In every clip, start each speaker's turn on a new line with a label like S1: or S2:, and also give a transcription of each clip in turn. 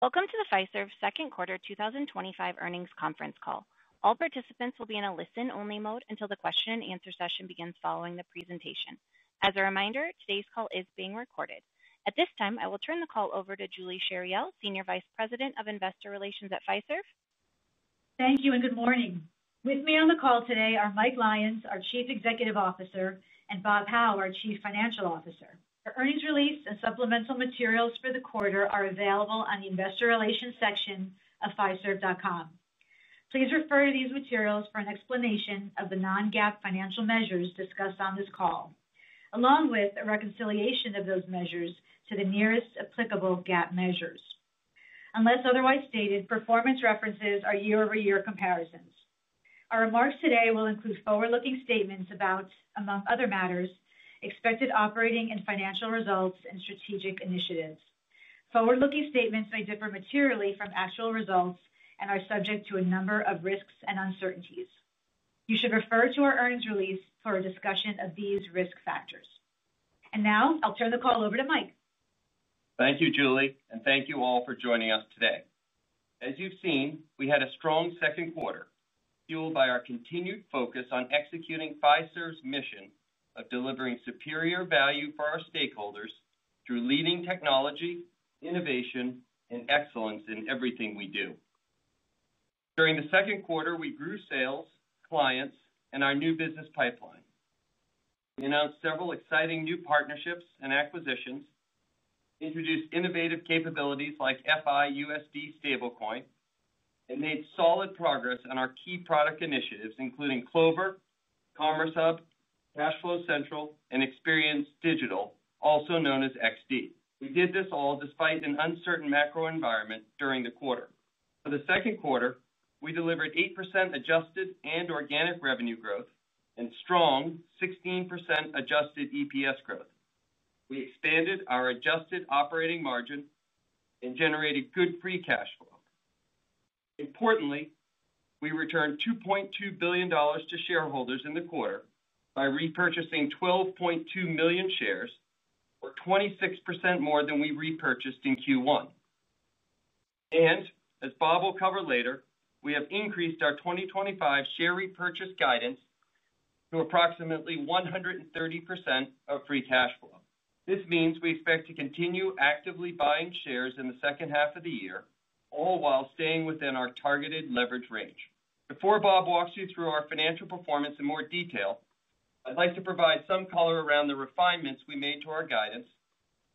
S1: Welcome to the Fiserv Second Quarter 2025 Earnings Conference call. All participants will be in a listen-only mode until the question-and-answer session begins following the presentation. As a reminder, today's call is being recorded. At this time, I will turn the call over to Julie Chariell, Senior Vice President of Investor Relations at Fiserv.
S2: Thank you, and good morning. With me on the call today are Mike Lyons, our Chief Executive Officer, and Bob Hau, our Chief Financial Officer. The earnings release and supplemental materials for the quarter are available on the Investor Relations section of fiserv.com. Please refer to these materials for an explanation of the non-GAAP financial measures discussed on this call, along with a reconciliation of those measures to the nearest applicable GAAP measures. Unless otherwise stated, performance references are year-over-year comparisons. Our remarks today will include forward-looking statements about, among other matters, expected operating and financial results and strategic initiatives. Forward-looking statements may differ materially from actual results and are subject to a number of risks and uncertainties. You should refer to our earnings release for a discussion of these risk factors. Now, I'll turn the call over to Mike.
S3: Thank you, Julie, and thank you all for joining us today. As you've seen, we had a strong second quarter, fueled by our continued focus on executing Fiserv's mission of delivering superior value for our stakeholders through leading technology, innovation, and excellence in everything we do. During the second quarter, we grew sales, clients, and our new business pipeline. We announced several exciting new partnerships and acquisitions, introduced innovative capabilities like FIUSD Stablecoin, and made solid progress on our key product initiatives, including Clover, Commerce Hub, Cashflow Central, and Experience Digital, also known as XD. We did this all despite an uncertain macro environment during the quarter. For the second quarter, we delivered 8% adjusted and organic revenue growth and strong 16% Adjusted EPS growth. We expanded our adjusted operating margin and generated good free cash flow. Importantly, we returned $2.2 billion to shareholders in the quarter by repurchasing 12.2 million shares, or 26% more than we repurchased in Q1. As Bob will cover later, we have increased our 2025 share repurchase guidance to approximately 130% of free cash flow. This means we expect to continue actively buying shares in the second half of the year, all while staying within our targeted leverage range. Before Bob walks you through our financial performance in more detail, I'd like to provide some color around the refinements we made to our guidance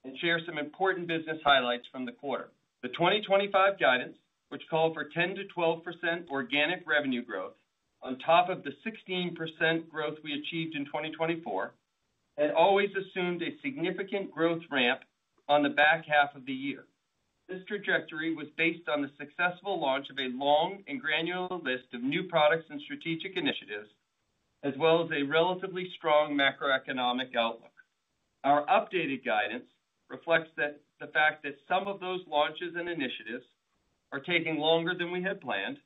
S3: and share some important business highlights from the quarter. The 2025 guidance, which called for 10%-12% organic revenue growth on top of the 16% growth we achieved in 2024, had always assumed a significant growth ramp on the back half of the year. This trajectory was based on the successful launch of a long and granular list of new products and strategic initiatives, as well as a relatively strong macroeconomic outlook. Our updated guidance reflects the fact that some of those launches and initiatives are taking longer than we had planned.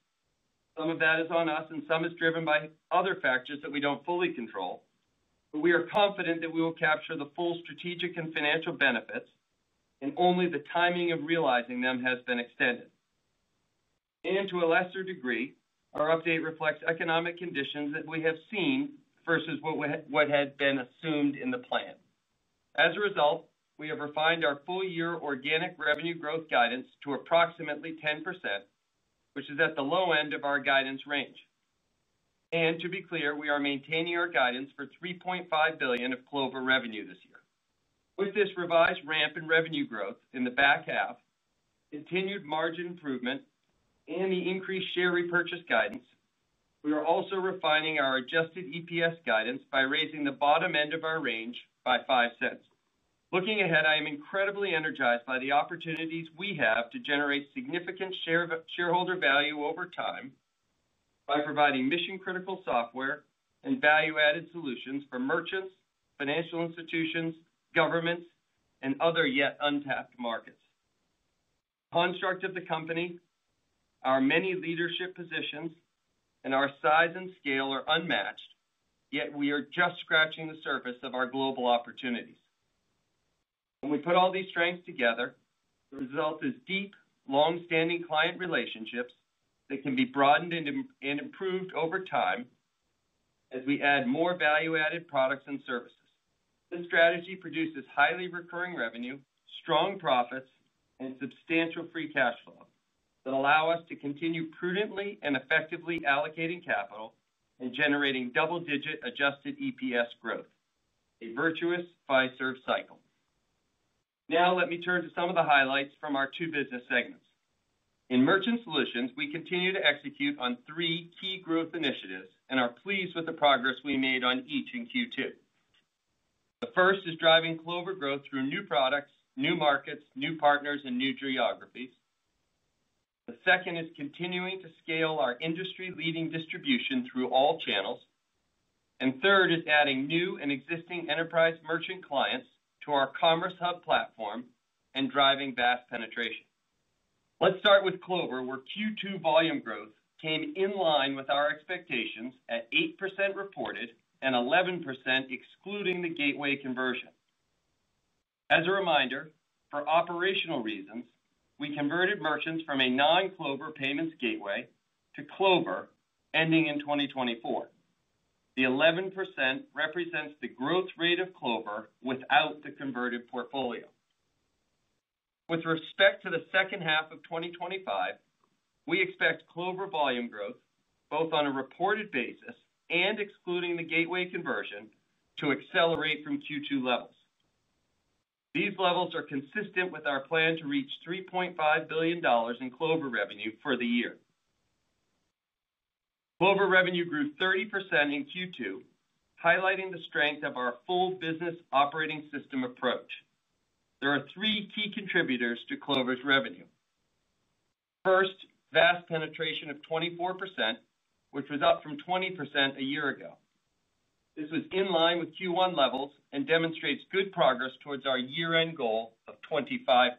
S3: Some of that is on us, and some is driven by other factors that we don't fully control, but we are confident that we will capture the full strategic and financial benefits, and only the timing of realizing them has been extended. To a lesser degree, our update reflects economic conditions that we have seen versus what had been assumed in the plan. As a result, we have refined our full-year organic revenue growth guidance to approximately 10%, which is at the low end of our guidance range. To be clear, we are maintaining our guidance for $3.5 billion of Clover revenue this year. With this revised ramp in revenue growth in the back half, continued margin improvement, and the increased share repurchase guidance, we are also refining our Adjusted EPS guidance by raising the bottom end of our range by $0.05. Looking ahead, I am incredibly energized by the opportunities we have to generate significant shareholder value over time. By providing mission-critical software and value-added solutions for merchants, financial institutions, governments, and other yet untapped markets. The construct of the company. Our many leadership positions, and our size and scale are unmatched, yet we are just scratching the surface of our global opportunities. When we put all these strengths together, the result is deep, long-standing client relationships that can be broadened and improved over time. As we add more value-added products and services. This strategy produces highly recurring revenue, strong profits, and substantial free cash flow that allow us to continue prudently and effectively allocating capital and generating double-digit Adjusted EPS growth, a virtuous Fiserv cycle. Now, let me turn to some of the highlights from our two business segments. In Merchant Solutions, we continue to execute on three key growth initiatives and are pleased with the progress we made on each in Q2. The first is driving Clover growth through new products, new markets, new partners, and new geographies. The second is continuing to scale our industry-leading distribution through all channels. Third is adding new and existing enterprise merchant clients to our Commerce Hub platform and driving vast penetration. Let's start with Clover, where Q2 volume growth came in line with our expectations at 8% reported and 11% excluding the gateway conversion. As a reminder, for operational reasons, we converted merchants from a non-Clover payments gateway to Clover ending in 2024. The 11% represents the growth rate of Clover without the converted portfolio. With respect to the second half of 2025, we expect Clover volume growth, both on a reported basis and excluding the gateway conversion, to accelerate from Q2 levels. These levels are consistent with our plan to reach $3.5 billion in Clover revenue for the year. Clover revenue grew 30% in Q2, highlighting the strength of our full business operating system approach. There are three key contributors to Clover's revenue. First, vast penetration of 24%, which was up from 20% a year ago. This was in line with Q1 levels and demonstrates good progress towards our year-end goal of 25%.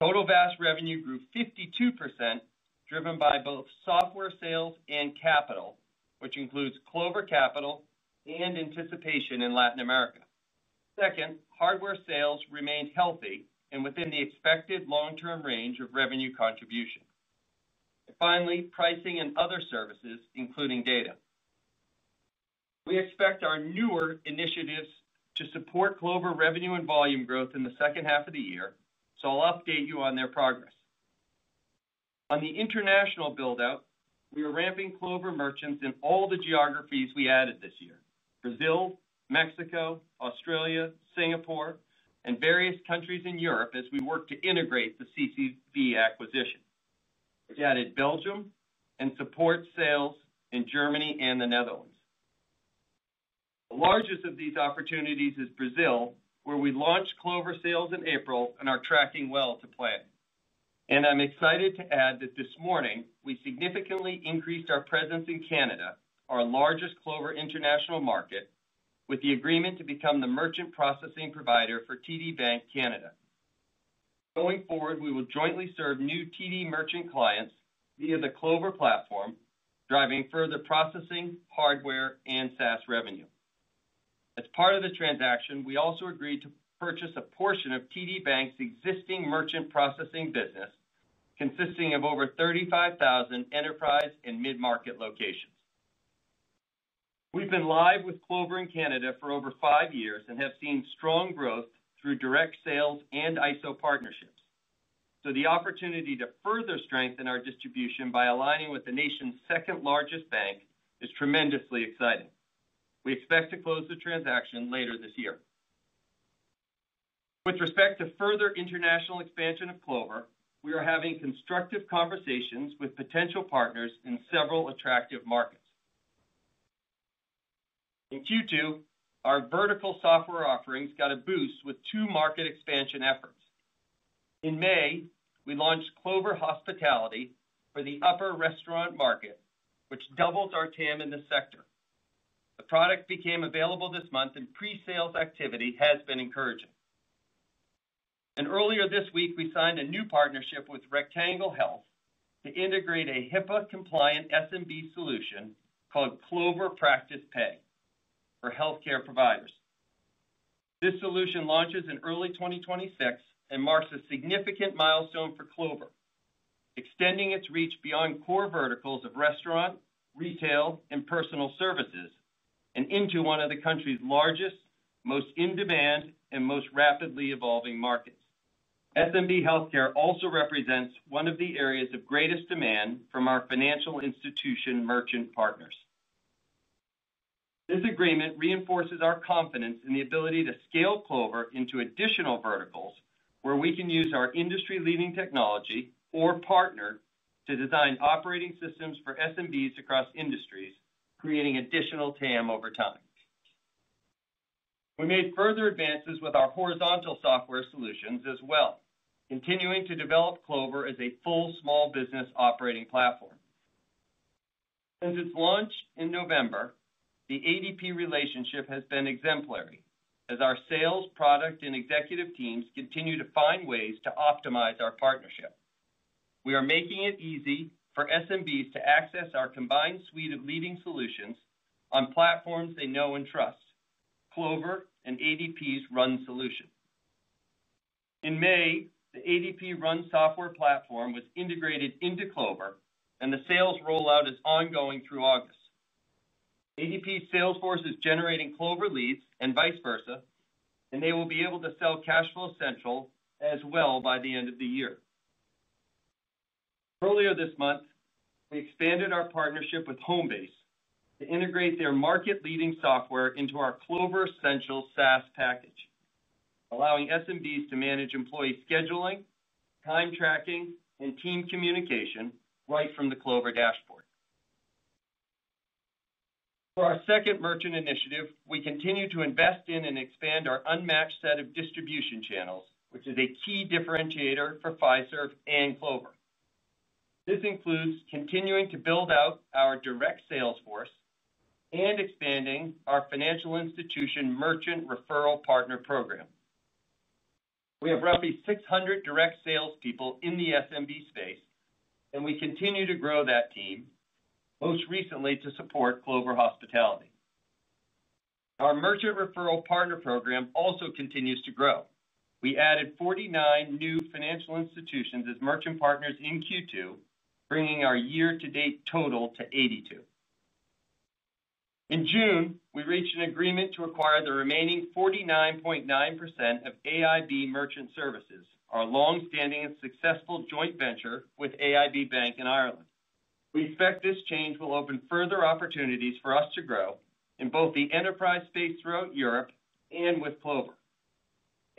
S3: Total vast revenue grew 52%, driven by both software sales and capital, which includes Clover Capital and anticipation in Latin America. Second, hardware sales remained healthy and within the expected long-term range of revenue contribution. Finally, pricing and other services, including data. We expect our newer initiatives to support Clover revenue and volume growth in the second half of the year, so I'll update you on their progress. On the international buildout, we are ramping Clover merchants in all the geographies we added this year: Brazil, Mexico, Australia, Singapore, and various countries in Europe as we work to integrate the CCB acquisition. We added Belgium and support sales in Germany and the Netherlands. The largest of these opportunities is Brazil, where we launched Clover sales in April and are tracking well to plan. I'm excited to add that this morning we significantly increased our presence in Canada, our largest Clover international market, with the agreement to become the merchant processing provider for TD Bank Canada. Going forward, we will jointly serve new TD merchant clients via the Clover platform, driving further processing, hardware, and SaaS revenue. As part of the transaction, we also agreed to purchase a portion of TD Bank's existing merchant processing business, consisting of over 35,000 enterprise and mid-market locations. We've been live with Clover in Canada for over five years and have seen strong growth through direct sales and ISO partnerships. The opportunity to further strengthen our distribution by aligning with the nation's second-largest bank is tremendously exciting. We expect to close the transaction later this year. With respect to further international expansion of Clover, we are having constructive conversations with potential partners in several attractive markets. In Q2, our vertical software offerings got a boost with two market expansion efforts. In May, we launched Clover Hospitality for the upper restaurant market, which doubled our TAM in the sector. The product became available this month, and pre-sales activity has been encouraging. Earlier this week, we signed a new partnership with Rectangle Health to integrate a HIPAA-compliant SMB solution called Clover Practice Pay for healthcare providers. This solution launches in early 2026 and marks a significant milestone for Clover, extending its reach beyond core verticals of restaurant, retail, and personal services and into one of the country's largest, most in-demand, and most rapidly evolving markets. S&B healthcare also represents one of the areas of greatest demand from our financial institution merchant partners. This agreement reinforces our confidence in the ability to scale Clover into additional verticals where we can use our industry-leading technology or partner to design operating systems for S&Bs across industries, creating additional TAM over time. We made further advances with our horizontal software solutions as well, continuing to develop Clover as a full small business operating platform. Since its launch in November, the ADP relationship has been exemplary as our sales, product, and executive teams continue to find ways to optimize our partnership. We are making it easy for S&Bs to access our combined suite of leading solutions on platforms they know and trust, Clover and ADP's run solution. In May, the ADP run software platform was integrated into Clover, and the sales rollout is ongoing through August. ADP Salesforce is generating Clover leads and vice versa, and they will be able to sell Cashflow Central as well by the end of the year. Earlier this month, we expanded our partnership with Homebase to integrate their market-leading software into our Clover Essential SaaS package, allowing S&Bs to manage employee scheduling, time tracking, and team communication right from the Clover dashboard. For our second merchant initiative, we continue to invest in and expand our unmatched set of distribution channels, which is a key differentiator for Fiserv and Clover. This includes continuing to build out our direct sales force and expanding our financial institution merchant referral partner program. We have roughly 600 direct salespeople in the S&B space, and we continue to grow that team, most recently to support Clover Hospitality. Our merchant referral partner program also continues to grow. We added 49 new financial institutions as merchant partners in Q2, bringing our year-to-date total to 82. In June, we reached an agreement to acquire the remaining 49.9% of AIB Merchant Services, our long-standing and successful joint venture with AIB Bank in Ireland. We expect this change will open further opportunities for us to grow in both the enterprise space throughout Europe and with Clover.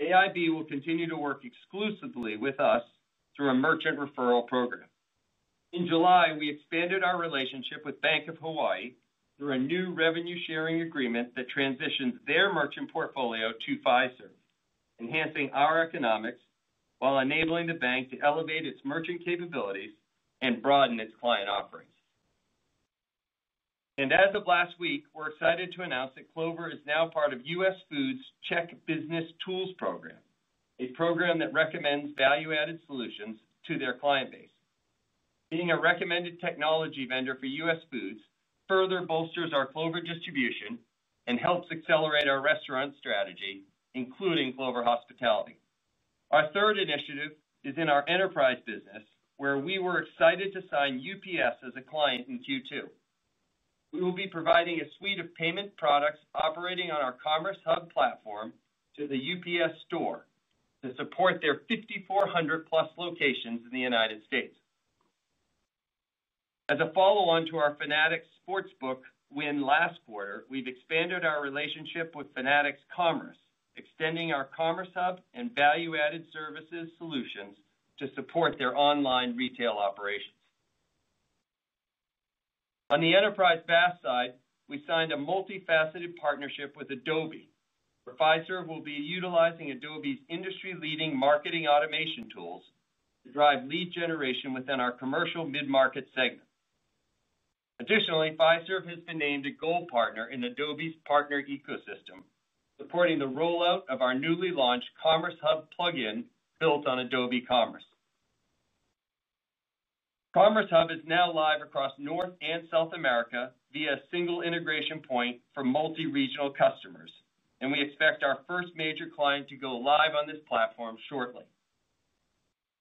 S3: AIB will continue to work exclusively with us through a merchant referral program. In July, we expanded our relationship with Bank of Hawaii through a new revenue-sharing agreement that transitions their merchant portfolio to Fiserv, enhancing our economics while enabling the bank to elevate its merchant capabilities and broaden its client offerings. As of last week, we're excited to announce that Clover is now part of US Foods' Czech Business Tools program, a program that recommends value-added solutions to their client base. Being a recommended technology vendor for US Foods further bolsters our Clover distribution and helps accelerate our restaurant strategy, including Clover Hospitality. Our third initiative is in our enterprise business, where we were excited to sign UPS as a client in Q2. We will be providing a suite of payment products operating on our Commerce Hub platform to the UPS store to support their 5,400+ locations in the United States. As a follow-on to our Fanatics sports-book win last quarter, we've expanded our relationship with Fanatics Commerce, extending our Commerce Hub and value-added services solutions to support their online retail operations. On the enterprise SaaS side, we signed a multifaceted partnership with Adobe. Fiserv will be utilizing Adobe's industry-leading marketing automation tools to drive lead generation within our commercial mid-market segment. Additionally, Fiserv has been named a gold partner in Adobe's partner ecosystem, supporting the rollout of our newly launched Commerce Hub plugin built on Adobe Commerce. Commerce Hub is now live across North and South America via a single integration point for multi-regional customers, and we expect our first major client to go live on this platform shortly.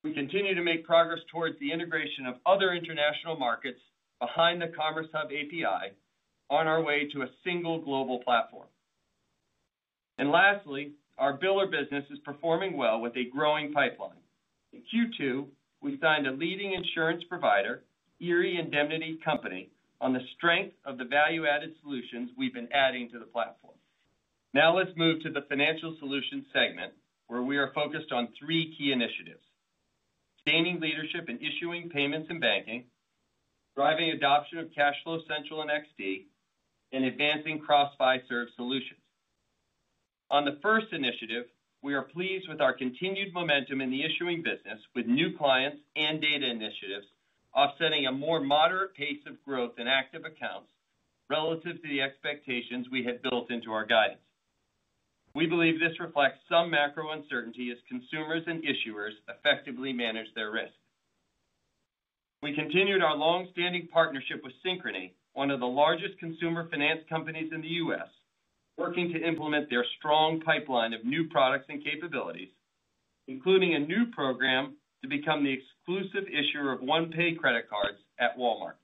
S3: We continue to make progress towards the integration of other international markets behind the Commerce Hub API on our way to a single global platform. Lastly, our biller business is performing well with a growing pipeline. In Q2, we signed a leading insurance provider, Erie Indemnity Company, on the strength of the value-added solutions we've been adding to the platform. Now let's move to the Financial Solutions segment, where we are focused on three key initiatives: gaining leadership in issuing payments and banking, driving adoption of Cashflow Central and XD, and advancing cross-Fiserv solutions. On the first initiative, we are pleased with our continued momentum in the issuing business with new clients and data initiatives offsetting a more moderate pace of growth in active accounts relative to the expectations we had built into our guidance. We believe this reflects some macro uncertainty as consumers and issuers effectively manage their risk. We continued our longstanding partnership with Synchrony, one of the largest consumer finance companies in the U.S., working to implement their strong pipeline of new products and capabilities, including a new program to become the exclusive issuer of one-pay credit cards at Walmart.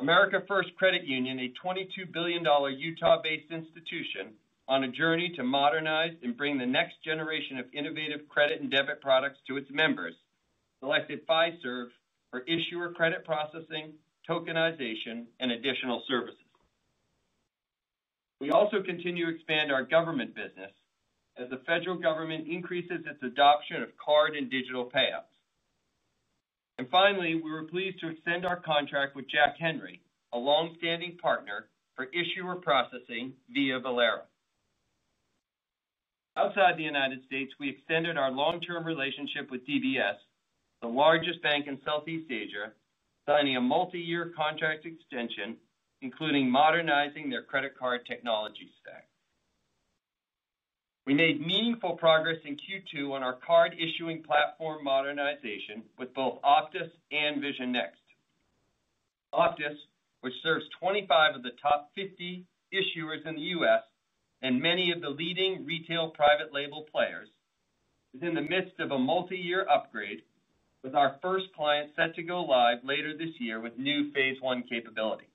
S3: America First Credit Union, a $22 billion Utah-based institution on a journey to modernize and bring the next generation of innovative credit and debit products to its members, selected Fiserv for issuer credit processing, tokenization, and additional services. We also continue to expand our government business as the federal government increases its adoption of card and digital payouts. Finally, we were pleased to extend our contract with Jack Henry, a longstanding partner for issuer processing via Valera. Outside the United States, we extended our long-term relationship with DBS, the largest bank in Southeast Asia, signing a multi-year contract extension, including modernizing their credit card technology stack. We made meaningful progress in Q2 on our card issuing platform modernization with both Optus and Vision Next. Optus, which serves 25 of the top 50 issuers in the U.S. and many of the leading retail private label players, is in the midst of a multi-year upgrade, with our first client set to go live later this year with new phase one capability.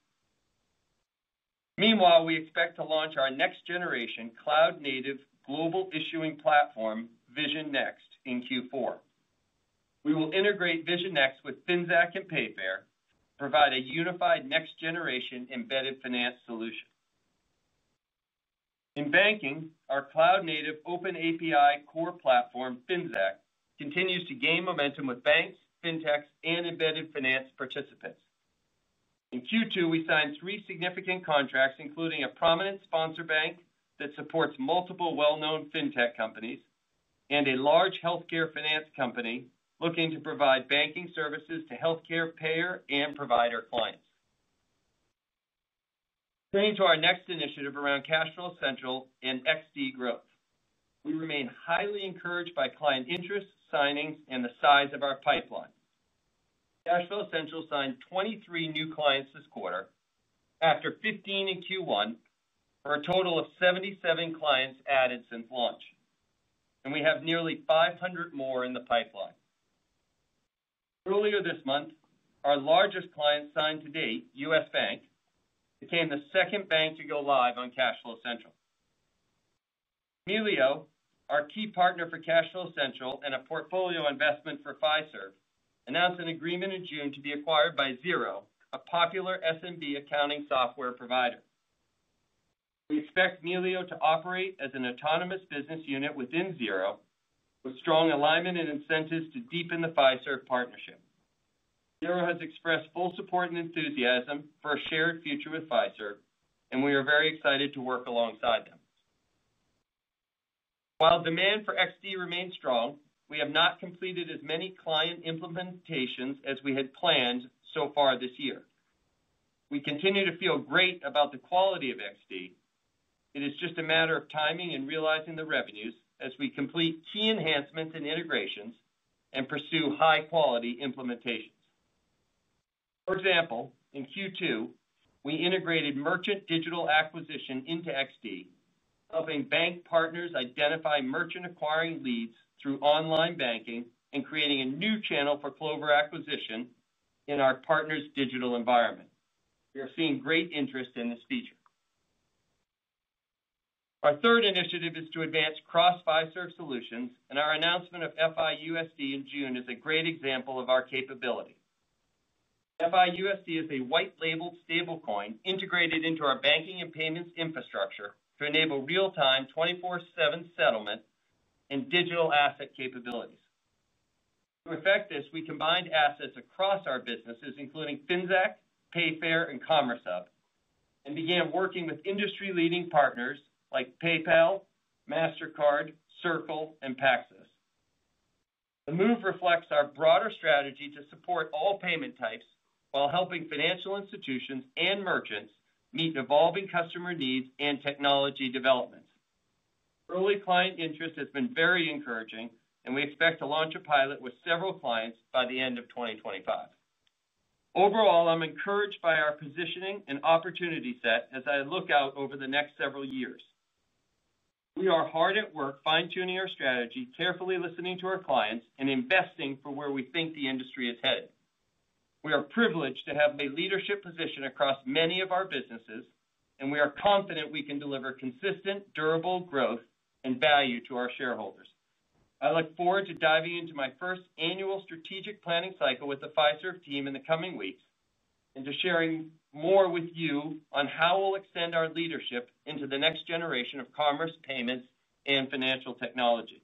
S3: Meanwhile, we expect to launch our next-generation cloud-native global issuing platform, Vision Next, in Q4. We will integrate Vision Next with FinSAC and Payfair to provide a unified next-generation embedded finance solution. In banking, our cloud-native open API core platform, FinSAC, continues to gain momentum with banks, fintechs, and embedded finance participants. In Q2, we signed three significant contracts, including a prominent sponsor bank that supports multiple well-known fintech companies and a large healthcare finance company looking to provide banking services to healthcare payer and provider clients. Turning to our next initiative around Cashflow Central and XD Growth, we remain highly encouraged by client interests, signings, and the size of our pipeline. Cashflow Central signed 23 new clients this quarter after 15 in Q1 for a total of 77 clients added since launch, and we have nearly 500 more in the pipeline. Earlier this month, our largest client signed to date, US Bank, became the second bank to go live on Cashflow Central. Muleo, our key partner for Cashflow Central and a portfolio investment for Fiserv, announced an agreement in June to be acquired by Xero, a popular S&B accounting software provider. We expect Muleo to operate as an autonomous business unit within Xero, with strong alignment and incentives to deepen the Fiserv partnership. Xero has expressed full support and enthusiasm for a shared future with Fiserv, and we are very excited to work alongside them. While demand for XD remains strong, we have not completed as many client implementations as we had planned so far this year. We continue to feel great about the quality of XD. It is just a matter of timing and realizing the revenues as we complete key enhancements and integrations and pursue high-quality implementations. For example, in Q2, we integrated merchant digital acquisition into XD, helping bank partners identify merchant acquiring leads through online banking and creating a new channel for Clover acquisition in our partner's digital environment. We are seeing great interest in this feature. Our third initiative is to advance cross-Fiserv solutions, and our announcement of FIUSD in June is a great example of our capability. FIUSD is a white-labeled stablecoin integrated into our banking and payments infrastructure to enable real-time 24/7 settlement and digital asset capabilities. To affect this, we combined assets across our businesses, including FinSAC, Payfair, and Commerce Hub, and began working with industry-leading partners like PayPal, MasterCard, Circle, and Paxos. The move reflects our broader strategy to support all payment types while helping financial institutions and merchants meet evolving customer needs and technology developments. Early client interest has been very encouraging, and we expect to launch a pilot with several clients by the end of 2025. Overall, I'm encouraged by our positioning and opportunity set as I look out over the next several years. We are hard at work fine-tuning our strategy, carefully listening to our clients, and investing for where we think the industry is headed. We are privileged to have a leadership position across many of our businesses, and we are confident we can deliver consistent, durable growth and value to our shareholders. I look forward to diving into my first annual strategic planning cycle with the Fiserv team in the coming weeks and to sharing more with you on how we'll extend our leadership into the next generation of commerce, payments, and financial technology.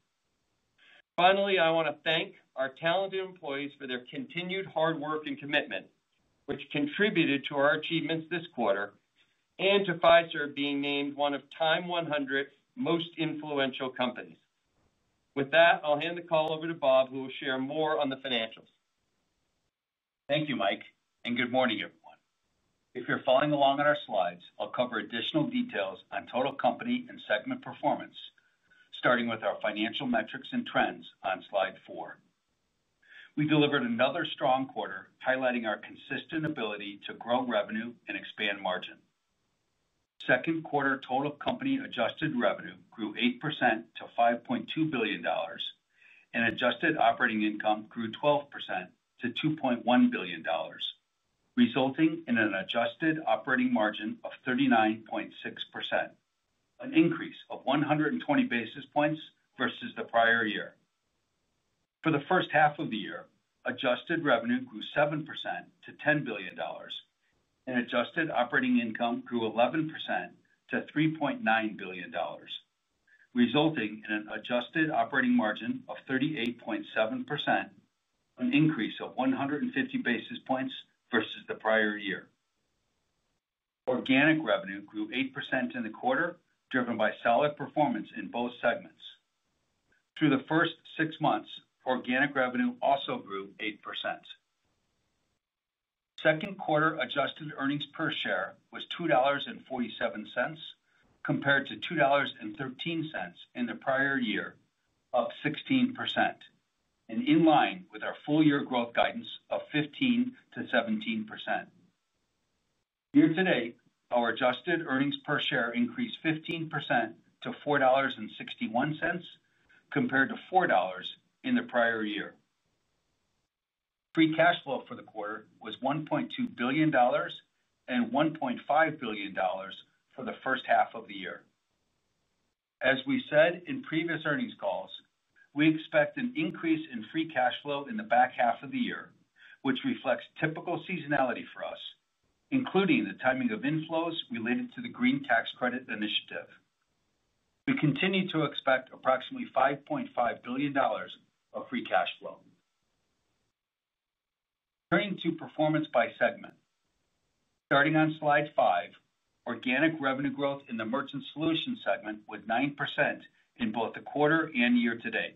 S3: Finally, I want to thank our talented employees for their continued hard work and commitment, which contributed to our achievements this quarter and to Fiserv being named one of Time 100's most influential companies. With that, I'll hand the call over to Bob, who will share more on the financials.
S4: Thank you, Mike, and good morning, everyone. If you're following along on our slides, I'll cover additional details on total company and segment performance, starting with our financial metrics and trends on slide four. We delivered another strong quarter highlighting our consistent ability to grow revenue and expand margin. Second quarter total company adjusted revenue grew 8% to $5.2 billion. Adjusted operating income grew 12% to $2.1 billion. Resulting in an adjusted operating margin of 39.6%. An increase of 120 basis points versus the prior year. For the first half of the year, adjusted revenue grew 7% to $10 billion. Adjusted operating income grew 11% to $3.9 billion, resulting in an adjusted operating margin of 38.7%, an increase of 150 basis points versus the prior year. Organic revenue grew 8% in the quarter, driven by solid performance in both segments. Through the first six months, organic revenue also grew 8%. Second quarter adjusted earnings per share was $2.47, compared to $2.13 in the prior year, up 16%, and in line with our full-year growth guidance of 15%-17%. Year to date, our adjusted earnings per share increased 15% to $4.61, compared to $4 in the prior year. Free cash flow for the quarter was $1.2 billion, and $1.5 billion for the first half of the year. As we said in previous earnings calls, we expect an increase in free cash flow in the back half of the year, which reflects typical seasonality for us, including the timing of inflows related to the green tax credit initiative. We continue to expect approximately $5.5 billion of free cash flow. Turning to performance by segment. Starting on slide five, organic revenue growth in the Merchant Solutions segment was 9% in both the quarter and year to date.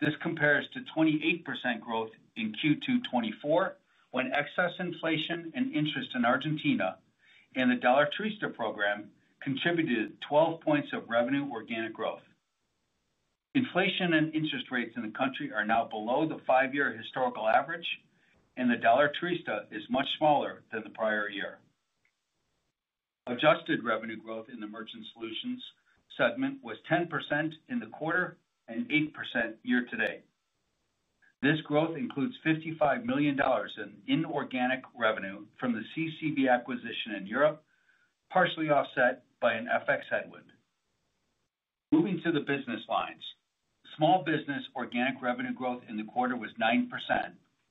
S4: This compares to 28% growth in Q2 2024 when excess inflation and interest in Argentina and the Dollar Turista program contributed 12 points of revenue organic growth. Inflation and interest rates in the country are now below the five-year historical average, and the Dollar Turista is much smaller than the prior year. Adjusted revenue growth in the Merchant Solutions segment was 10% in the quarter and 8% year to date. This growth includes $55 million in inorganic revenue from the CCB acquisition in Europe, partially offset by an FX headwind. Moving to the business lines, small business organic revenue growth in the quarter was 9%,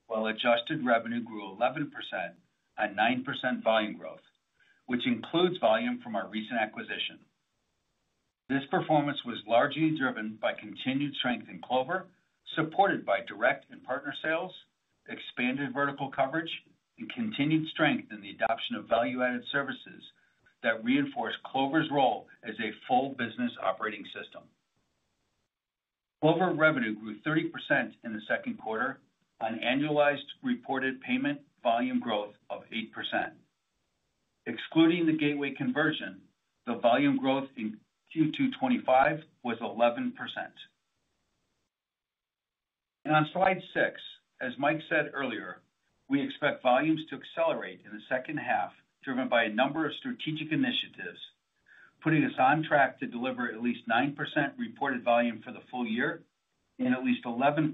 S4: while adjusted revenue grew 11% on 9% volume growth, which includes volume from our recent acquisition. This performance was largely driven by continued strength in Clover, supported by direct and partner sales, expanded vertical coverage, and continued strength in the adoption of value-added services that reinforce Clover's role as a full business operating system. Clover revenue grew 30% in the second quarter on annualized reported payment volume growth of 8%. Excluding the gateway conversion, the volume growth in Q2 2025 was 11%. On slide six, as Mike said earlier, we expect volumes to accelerate in the second half, driven by a number of strategic initiatives, putting us on track to deliver at least 9% reported volume for the full year and at least 11%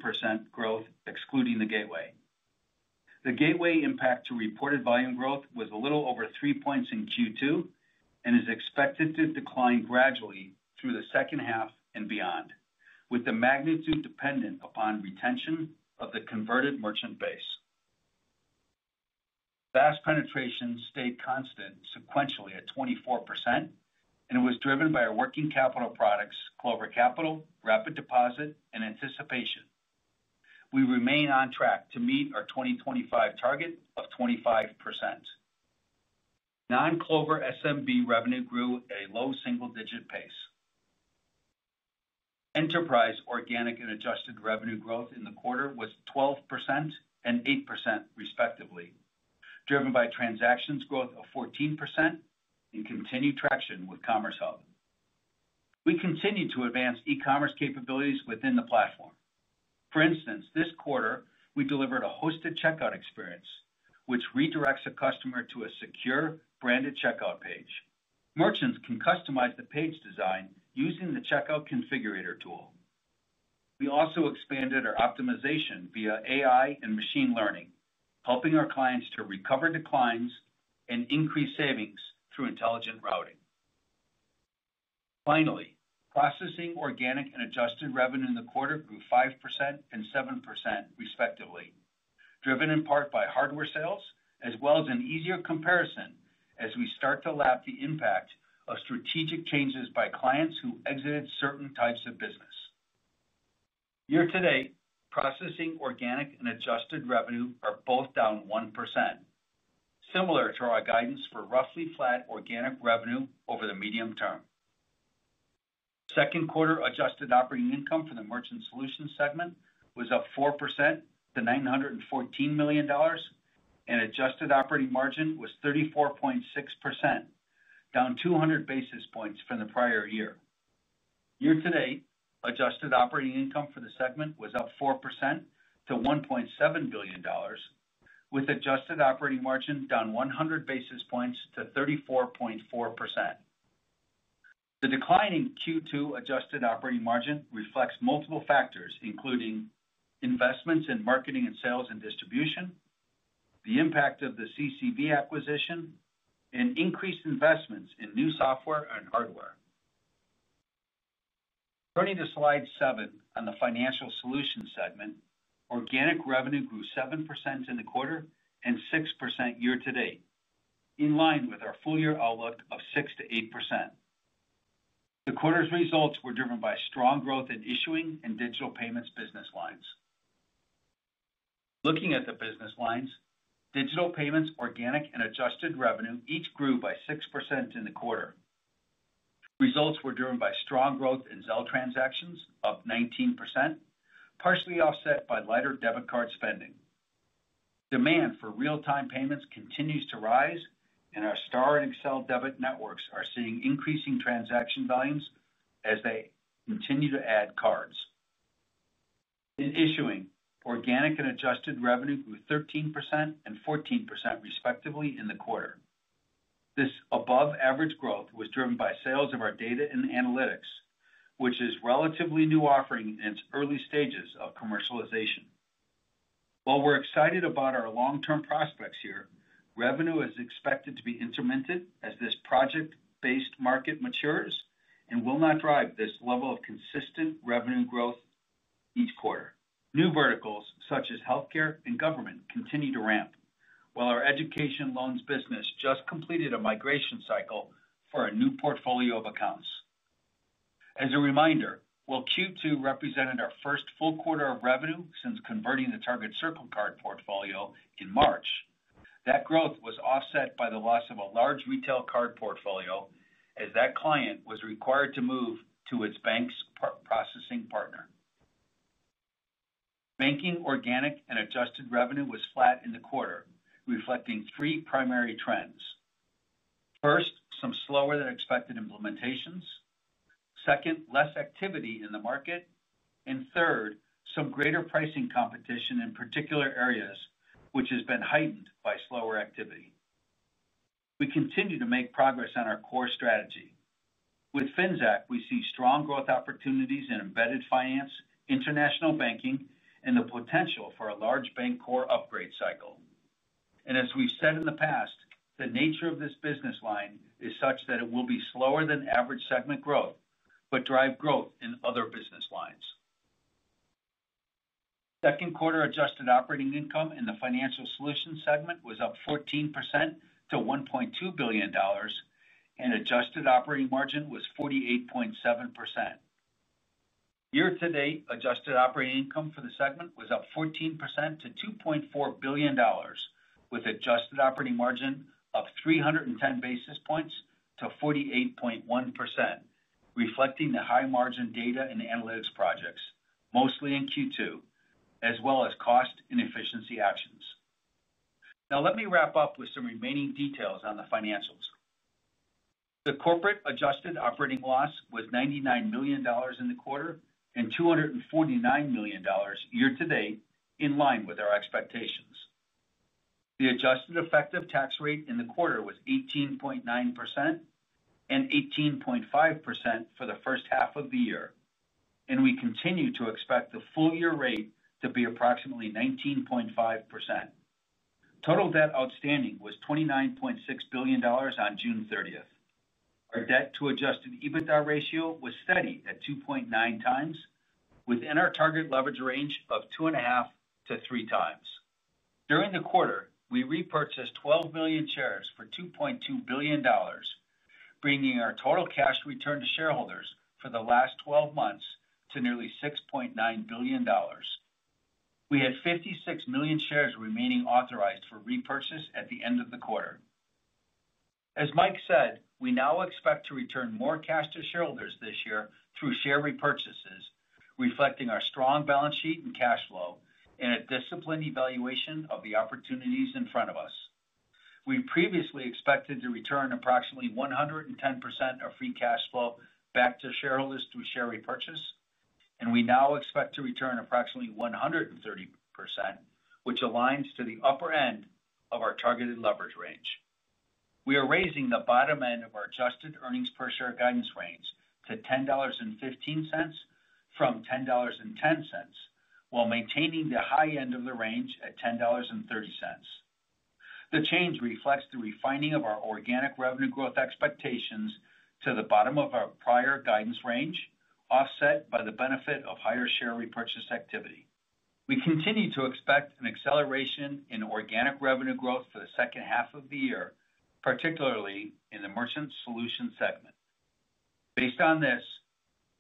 S4: growth, excluding the gateway. The gateway impact to reported volume growth was a little over three points in Q2 and is expected to decline gradually through the second half and beyond, with the magnitude dependent upon retention of the converted merchant base. Fast penetration stayed constant sequentially at 24%, and it was driven by our working capital products, Clover Capital, Rapid Deposit, and Anticipation. We remain on track to meet our 2025 target of 25%. Non-Clover S&B revenue grew at a low single-digit pace. Enterprise organic and adjusted revenue growth in the quarter was 12% and 8% respectively, driven by transactions growth of 14% and continued traction with Commerce Hub. We continue to advance e-commerce capabilities within the platform. For instance, this quarter, we delivered a hosted checkout experience, which redirects a customer to a secure, branded checkout page. Merchants can customize the page design using the checkout configurator tool. We also expanded our optimization via AI and machine learning, helping our clients to recover declines and increase savings through intelligent routing. Finally, processing organic and adjusted revenue in the quarter grew 5% and 7% respectively, driven in part by hardware sales, as well as an easier comparison as we start to lap the impact of strategic changes by clients who exited certain types of business. Year to date, processing organic and adjusted revenue are both down 1%. Similar to our guidance for roughly flat organic revenue over the medium term. Second quarter adjusted operating income for the Merchant Solutions segment was up 4% to $914 million. Adjusted operating margin was 34.6%, down 200 basis points from the prior year. Year to date, adjusted operating income for the segment was up 4% to $1.7 billion, with adjusted operating margin down 100 basis points to 34.4%. The decline in Q2 adjusted operating margin reflects multiple factors, including investments in marketing and sales and distribution, the impact of the CCB acquisition, and increased investments in new software and hardware. Turning to slide seven on the Financial Solutions segment, organic revenue grew 7% in the quarter and 6% year to date, in line with our full-year outlook of 6%-8%. The quarter's results were driven by strong growth in issuing and digital payments business lines. Looking at the business lines, digital payments organic and adjusted revenue each grew by 6% in the quarter. Results were driven by strong growth in Zelle transactions of 19%, partially offset by lighter debit card spending. Demand for real-time payments continues to rise, and our Star and Excel debit networks are seeing increasing transaction volumes as they continue to add cards. In issuing, organic and adjusted revenue grew 13% and 14% respectively in the quarter. This above-average growth was driven by sales of our data and analytics, which is a relatively new offering in its early stages of commercialization. While we're excited about our long-term prospects here, revenue is expected to be instrumented as this project-based market matures and will not drive this level of consistent revenue growth each quarter. New verticals such as healthcare and government continue to ramp, while our education loans business just completed a migration cycle for a new portfolio of accounts. As a reminder, while Q2 represented our first full quarter of revenue since converting the Target Circle card portfolio in March, that growth was offset by the loss of a large retail card portfolio as that client was required to move to its bank's processing partner. Banking organic and adjusted revenue was flat in the quarter, reflecting three primary trends. First, some slower-than-expected implementations. Second, less activity in the market. Third, some greater pricing competition in particular areas, which has been heightened by slower activity. We continue to make progress on our core strategy. With FinSAC, we see strong growth opportunities in embedded finance, international banking, and the potential for a large bank core upgrade cycle. As we've said in the past, the nature of this business line is such that it will be slower-than-average segment growth, but drive growth in other business lines. Second quarter adjusted operating income in the Financial Solutions segment was up 14% to $1.2 billion. Adjusted operating margin was 48.7%. Year to date, adjusted operating income for the segment was up 14% to $2.4 billion, with adjusted operating margin up 310 basis points to 48.1%. Reflecting the high margin data and analytics projects, mostly in Q2, as well as cost and efficiency actions. Now, let me wrap up with some remaining details on the financials. The corporate adjusted operating loss was $99 million in the quarter and $249 million year to date, in line with our expectations. The adjusted effective tax rate in the quarter was 18.9%, and 18.5% for the first half of the year. We continue to expect the full-year rate to be approximately 19.5%. Total debt outstanding was $29.6 billion on June 30th. Our debt-to-Adjusted EBITDA ratio was steady at 2.9 times, within our target leverage range of two and a half to three times. During the quarter, we repurchased 12 million shares for $2.2 billion, bringing our total cash return to shareholders for the last 12 months to nearly $6.9 billion. We had 56 million shares remaining authorized for repurchase at the end of the quarter. As Mike said, we now expect to return more cash to shareholders this year through share repurchases, reflecting our strong balance sheet and cash flow and a disciplined evaluation of the opportunities in front of us. We previously expected to return approximately 110% of free cash flow back to shareholders through share repurchase, and we now expect to return approximately 130%, which aligns to the upper end of our targeted leverage range. We are raising the bottom end of our adjusted earnings per share guidance range to $10.15 from $10.10, while maintaining the high end of the range at $10.30. The change reflects the refining of our organic revenue growth expectations to the bottom of our prior guidance range, offset by the benefit of higher share repurchase activity. We continue to expect an acceleration in organic revenue growth for the second half of the year, particularly in the Merchant Solutions segment. Based on this,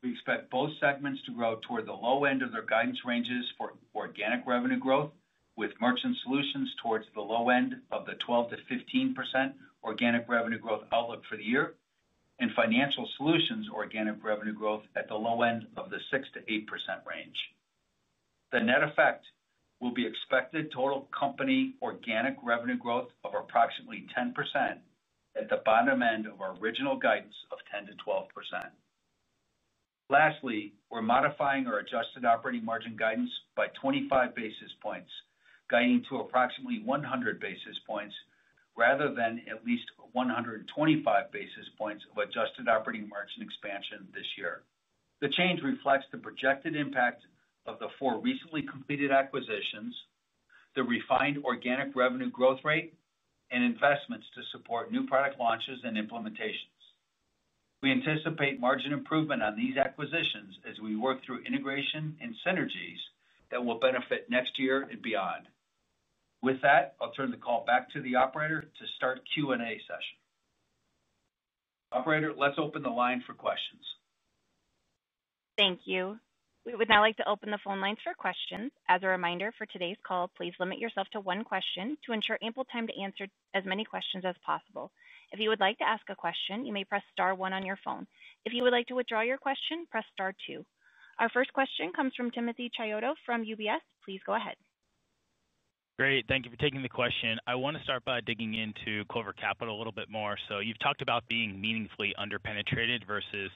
S4: we expect both segments to grow toward the low end of their guidance ranges for organic revenue growth, with Merchant Solutions towards the low end of the 12%-15% organic revenue growth outlook for the year, and Financial Solutions organic revenue growth at the low end of the 6%-8% range. The net effect will be expected total company organic revenue growth of approximately 10% at the bottom end of our original guidance of 10%-12%. Lastly, we're modifying our adjusted operating margin guidance by 25 basis points, guiding to approximately 100 basis points rather than at least 125 basis points of adjusted operating margin expansion this year. The change reflects the projected impact of the four recently completed acquisitions, the refined organic revenue growth rate, and investments to support new product launches and implementations. We anticipate margin improvement on these acquisitions as we work through integration and synergies that will benefit next year and beyond. With that, I'll turn the call back to the operator to start Q&A session. Operator, let's open the line for questions.
S1: Thank you. We would now like to open the phone lines for questions. As a reminder, for today's call, please limit yourself to one question to ensure ample time to answer as many questions as possible. If you would like to ask a question, you may press Star one on your phone. If you would like to withdraw your question, press Star two. Our first question comes from Timothy Chiodo from UBS. Please go ahead.
S5: Great. Thank you for taking the question. I want to start by digging into Clover Capital a little bit more. So you've talked about being meaningfully under-penetrated versus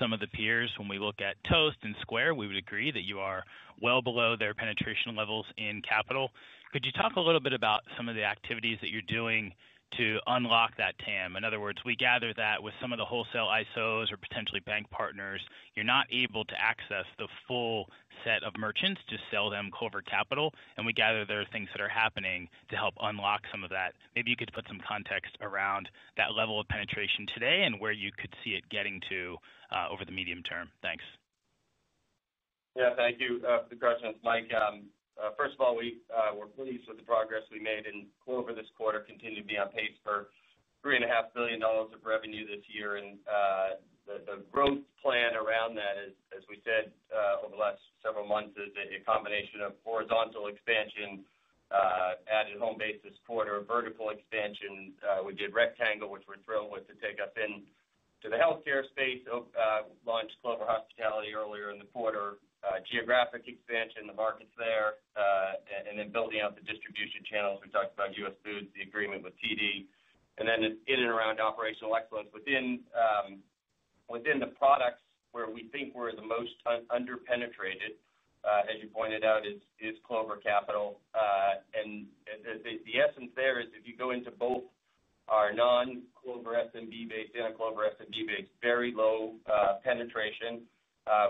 S5: some of the peers. When we look at Toast and Square, we would agree that you are well below their penetration levels in capital. Could you talk a little bit about some of the activities that you're doing to unlock that TAM? In other words, we gather that with some of the wholesale ISOs or potentially bank partners, you're not able to access the full set of merchants to sell them Clover Capital. And we gather there are things that are happening to help unlock some of that. Maybe you could put some context around that level of penetration today and where you could see it getting to over the medium term. Thanks.
S3: Yeah. Thank you for the questions. Mike, first of all, we're pleased with the progress we made in Clover this quarter. Continue to be on pace for $3.5 billion of revenue this year. And. The growth plan around that, as we said over the last several months, is a combination of horizontal expansion. Added Homebase this quarter, vertical expansion. We did Rectangle Health, which we're thrilled with, to take us into the healthcare space. Launched Clover Hospitality earlier in the quarter, geographic expansion, the markets there, and then building out the distribution channels. We talked about US Foods, the agreement with TD, and then in and around operational excellence within. The products where we think we're the most under-penetrated, as you pointed out, is Clover Capital. The essence there is if you go into both our non-Clover S&B-based and our Clover S&B-based, very low penetration.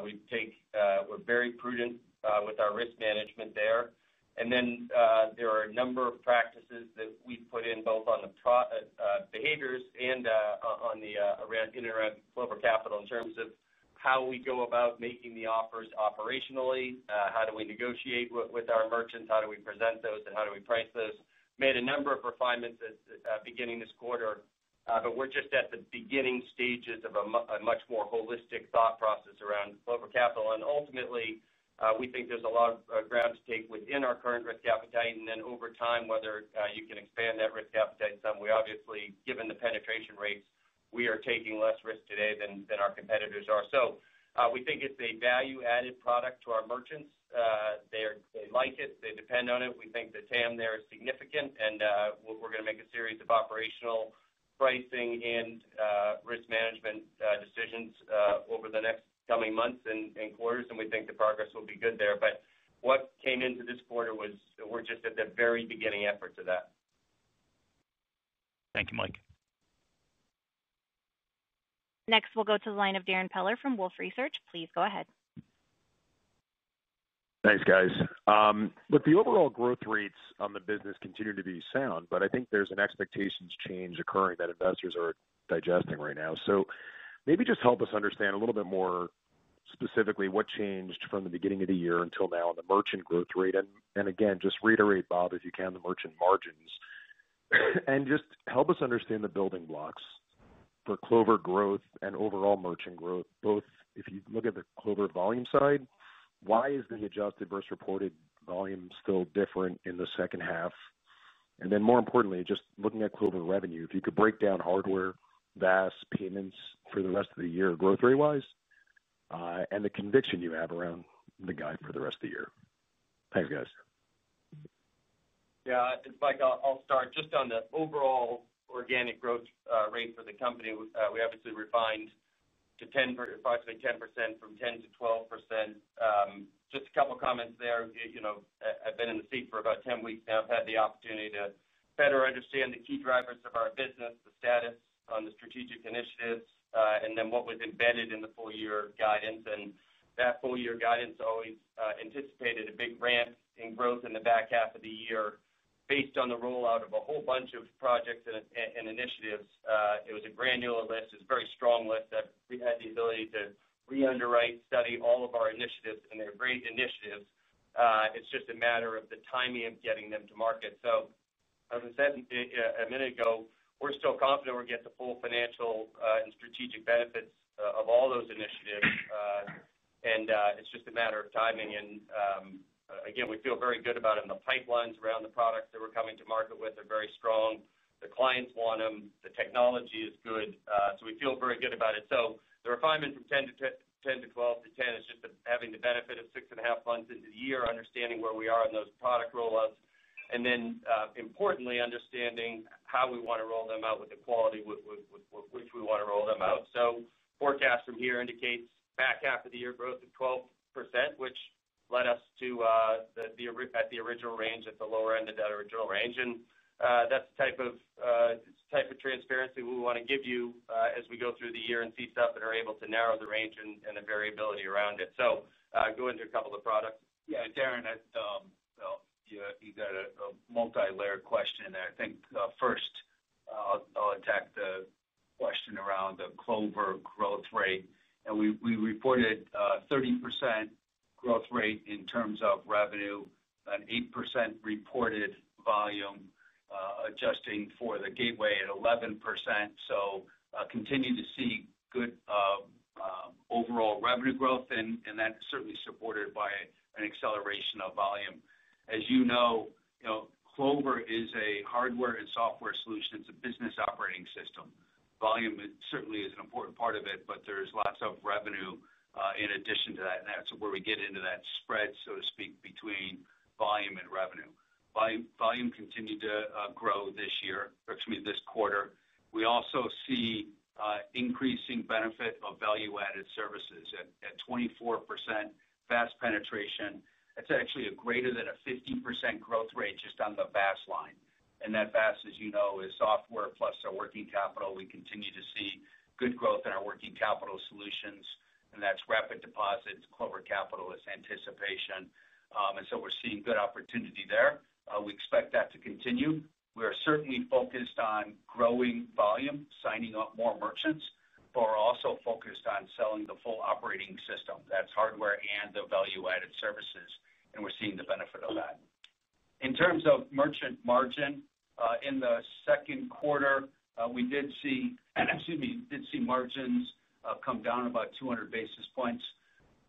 S3: We're very prudent with our risk management there. There are a number of practices that we've put in both on the behaviors and on the Clover Capital in terms of how we go about making the offers operationally. How do we negotiate with our merchants? How do we present those? How do we price those? Made a number of refinements beginning this quarter, but we're just at the beginning stages of a much more holistic thought process around Clover Capital. Ultimately, we think there's a lot of ground to take within our current risk appetite. Over time, whether you can expand that risk appetite some, we obviously, given the penetration rates, we are taking less risk today than our competitors are. We think it's a value-added product to our merchants. They like it. They depend on it. We think the TAM there is significant. We're going to make a series of operational pricing and risk management decisions over the next coming months and quarters. We think the progress will be good there. What came into this quarter was we're just at the very beginning effort to that.
S5: Thank you, Mike.
S1: Next, we'll go to the line of Darren Peller from Wolfe Research. Please go ahead.
S6: Thanks, guys. With the overall growth rates on the business continuing to be sound, but I think there's an expectations change occurring that investors are digesting right now. Maybe just help us understand a little bit more specifically what changed from the beginning of the year until now on the merchant growth rate. Again, just reiterate, Bob, if you can, the merchant margins. Just help us understand the building blocks for Clover growth and overall merchant growth, both if you look at the Clover volume side, why is the adjusted versus reported volume still different in the second half? More importantly, just looking at Clover revenue, if you could break down hardware, VAS, payments for the rest of the year, growth rate-wise. The conviction you have around the guide for the rest of the year. Thanks, guys.
S3: Yeah. It's Mike. I'll start just on the overall organic growth rate for the company. We obviously refined to approximately 10% from 10%-12%. Just a couple of comments there. I've been in the seat for about 10 weeks now. I've had the opportunity to better understand the key drivers of our business, the status on the strategic initiatives, and then what was embedded in the full-year guidance. That full-year guidance always anticipated a big ramp in growth in the back half of the year based on the rollout of a whole bunch of projects and initiatives. It was a granular list. It is a very strong list that we had the ability to re-underwrite, study all of our initiatives, and they are great initiatives. It is just a matter of the timing of getting them to market. As I said a minute ago, we are still confident we are getting the full financial and strategic benefits of all those initiatives. It is just a matter of timing. Again, we feel very good about them. The pipelines around the products that we are coming to market with are very strong. The clients want them. The technology is good. We feel very good about it. The refinement from 10%-12% to 10% is just having the benefit of six and a half months into the year, understanding where we are on those product rollouts, and then importantly, understanding how we want to roll them out with the quality with which we want to roll them out. Forecast from here indicates back half of the year growth of 12%, which led us to the original range, at the lower end of that original range. That is the type of transparency we want to give you as we go through the year and see stuff and are able to narrow the range and the variability around it. Go into a couple of the products.
S4: Yeah. Darren has a multilayered question there. I think first I will attack the question around the Clover growth rate. We reported a 30% growth rate in terms of revenue, an 8% reported volume, adjusting for the gateway at 11%. Continue to see good overall revenue growth. That is certainly supported by an acceleration of volume. As you know, Clover is a hardware and software solution. It is a business operating system. Volume certainly is an important part of it, but there is lots of revenue in addition to that. That is where we get into that spread, so to speak, between volume and revenue. Volume continued to grow this quarter. We also see increasing benefit of value-added services at 24% VAS penetration. It is actually a greater than 50% growth rate just on the VAS line. That VAS, as you know, is software plus our working capital. We continue to see good growth in our working capital solutions. That is rapid deposits. Clover Capital is anticipation. We are seeing good opportunity there. We expect that to continue. We are certainly focused on growing volume, signing up more merchants, but we are also focused on selling the full operating system. That is hardware and the value-added services. We are seeing the benefit of that. In terms of merchant margin, in the second quarter, we did see, excuse me, did see margins come down about 200 basis points.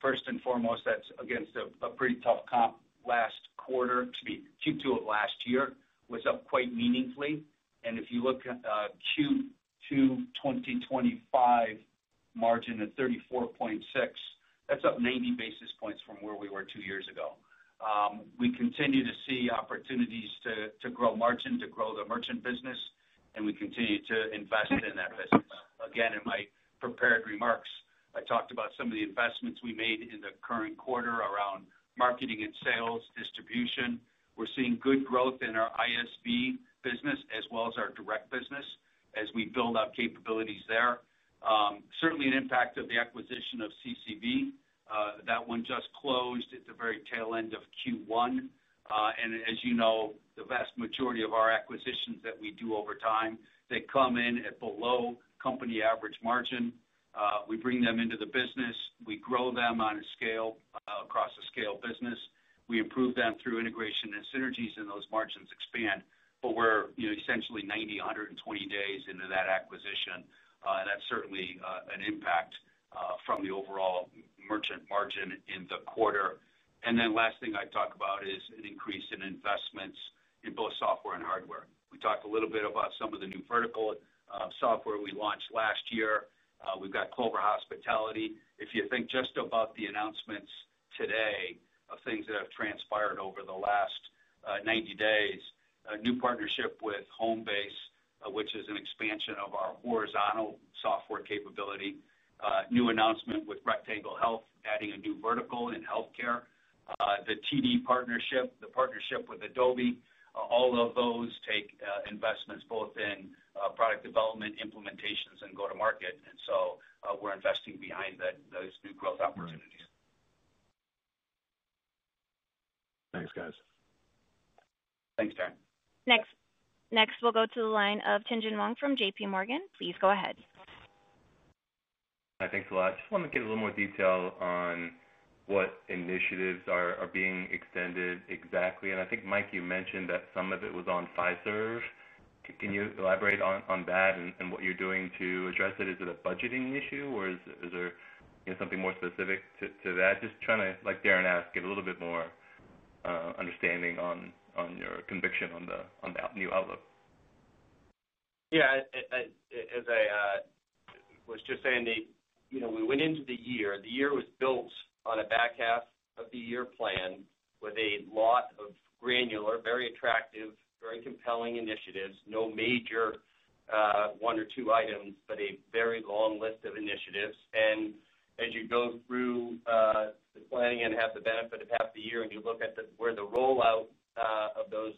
S4: First and foremost, that's against a pretty tough comp last quarter. Excuse me, Q2 of last year was up quite meaningfully. And if you look at Q2 2025. Margin at 34.6, that's up 90 basis points from where we were two years ago. We continue to see opportunities to grow margin, to grow the merchant business, and we continue to invest in that business. Again, in my prepared remarks, I talked about some of the investments we made in the current quarter around marketing and sales, distribution. We're seeing good growth in our ISV business as well as our direct business as we build out capabilities there. Certainly, an impact of the acquisition of CCB. That one just closed at the very tail end of Q1. And as you know, the vast majority of our acquisitions that we do over time, they come in at below company average margin. We bring them into the business. We grow them on a scale across a scale business. We improve them through integration and synergies, and those margins expand. But we're essentially 90, 120 days into that acquisition. And that's certainly an impact from the overall merchant margin in the quarter. And then last thing I'd talk about is an increase in investments in both software and hardware. We talked a little bit about some of the new vertical software we launched last year. We've got Clover Hospitality. If you think just about the announcements today of things that have transpired over the last. 90 days, a new partnership with Homebase, which is an expansion of our horizontal software capability, new announcement with Rectangle Health, adding a new vertical in healthcare, the TD partnership, the partnership with Adobe, all of those take investments both in product development, implementations, and go-to-market. And so we're investing behind those new growth opportunities.
S6: Thanks, guys.
S3: Thanks, Darren.
S1: Next, we'll go to the line of Tin Jun Wong from JPMorgan. Please go ahead.
S7: Hi, thanks, Vlad. Just want to get a little more detail on what initiatives are being extended exactly. And I think, Mike, you mentioned that some of it was on Fiserv. Can you elaborate on that and what you're doing to address it? Is it a budgeting issue, or is there something more specific to that? Just trying to, like Darren asked, get a little bit more. Understanding on your conviction on the new outlook.
S3: Yeah. As I. Was just saying, we went into the year. The year was built on a back half of the year plan with a lot of granular, very attractive, very compelling initiatives, no major. One or two items, but a very long list of initiatives. And as you go through. The planning and have the benefit of half the year and you look at where the rollout of those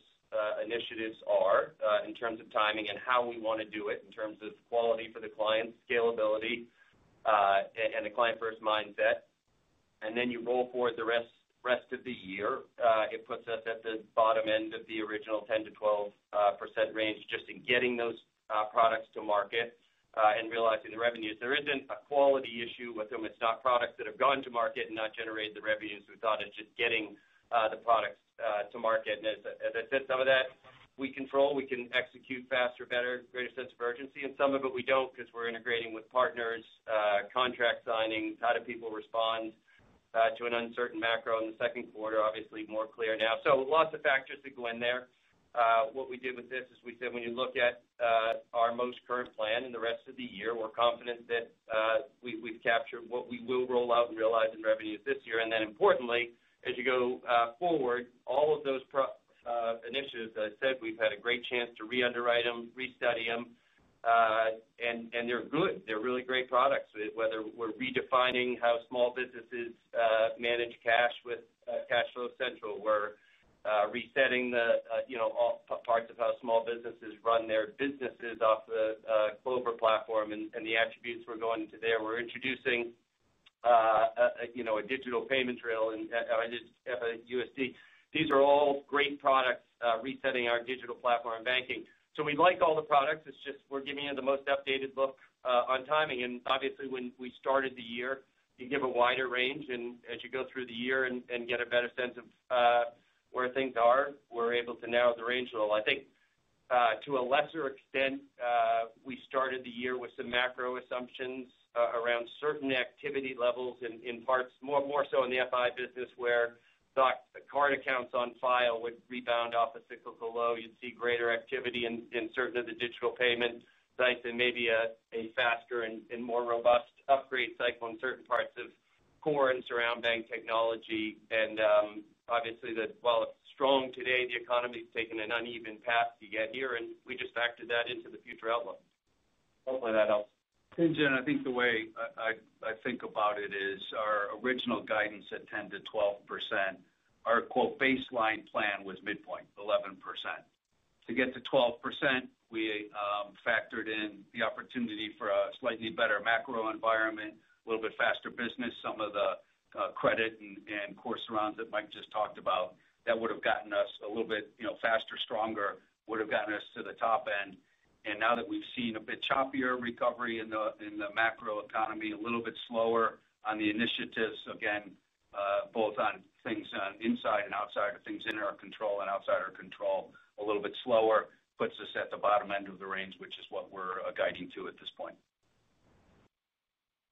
S3: initiatives are in terms of timing and how we want to do it in terms of quality for the client, scalability. The client-first mindset, and then you roll forward the rest of the year, it puts us at the bottom end of the original 10-12% range just in getting those products to market and realizing the revenues. There isn't a quality issue with them. It's not products that have gone to market and not generated the revenues we thought. It's just getting the products to market. As I said, some of that we control. We can execute faster, better, greater sense of urgency. Some of it we don't because we're integrating with partners, contract signings, how do people respond. To an uncertain macro in the second quarter, obviously more clear now. Lots of factors to go in there. What we did with this is we said when you look at our most current plan in the rest of the year, we're confident that we've captured what we will roll out and realize in revenues this year. Importantly, as you go forward, all of those initiatives, as I said, we've had a great chance to re-underwrite them, restudy them. They're good. They're really great products, whether we're redefining how small businesses manage cash with CashFlow Central, we're resetting the parts of how small businesses run their businesses off the Clover platform and the attributes we're going to there. We're introducing a digital payment drill and USD. These are all great products, resetting our digital platform and banking. We like all the products. It's just we're giving you the most updated look on timing. Obviously, when we started the year, you give a wider range. As you go through the year and get a better sense of where things are, we're able to narrow the range a little. I think to a lesser extent, we started the year with some macro assumptions around certain activity levels in parts, more so in the FI business, where the card accounts on file would rebound off a cyclical low. You'd see greater activity in certain of the digital payment sites and maybe a faster and more robust upgrade cycle in certain parts of core and surround bank technology. Obviously, while it's strong today, the economy has taken an uneven path to get here. We just factored that into the future outlook. Hopefully, that helps.
S4: Tin Jen, I think the way I think about it is our original guidance at 10-12%, our baseline plan was midpoint, 11%. To get to 12%, we factored in the opportunity for a slightly better macro environment, a little bit faster business, some of the credit and course arounds that Mike just talked about that would have gotten us a little bit faster, stronger, would have gotten us to the top end. Now that we've seen a bit choppier recovery in the macro economy, a little bit slower on the initiatives, again, both on things inside and outside, things in our control and outside our control, a little bit slower, puts us at the bottom end of the range, which is what we're guiding to at this point.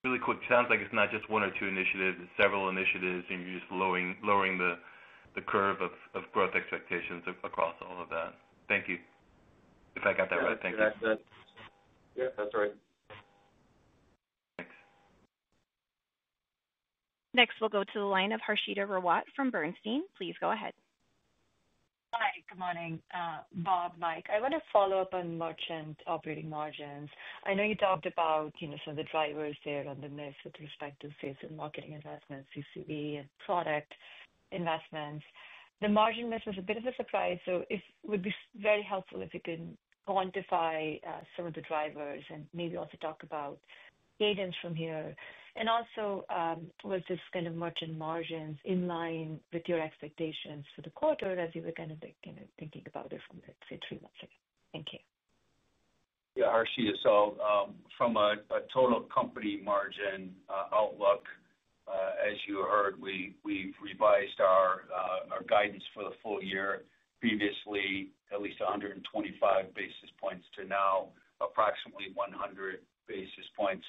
S7: Really quick, it sounds like it's not just one or two initiatives. It's several initiatives, and you're just lowering the curve of growth expectations across all of that. Thank you. If I got that right, thank you.
S4: Yeah, that's right.
S7: Thanks.
S1: Next, we'll go to the line of Harshita Rawat from Bernstein. Please go ahead.
S8: Hi. Good morning, Bob, Mike. I want to follow up on merchant operating margins. I know you talked about some of the drivers there on the myth with respect to sales and marketing investments, CCV, and product investments. The margin myth was a bit of a surprise. It would be very helpful if you can quantify some of the drivers and maybe also talk about cadence from here. Also, was this kind of merchant margins in line with your expectations for the quarter as you were kind of thinking about it from, let's say, three months ago? Thank you.
S4: Yeah, Harshita. From a total company margin outlook, as you heard, we've revised our guidance for the full year. Previously, at least 125 basis points to now approximately 100 basis points.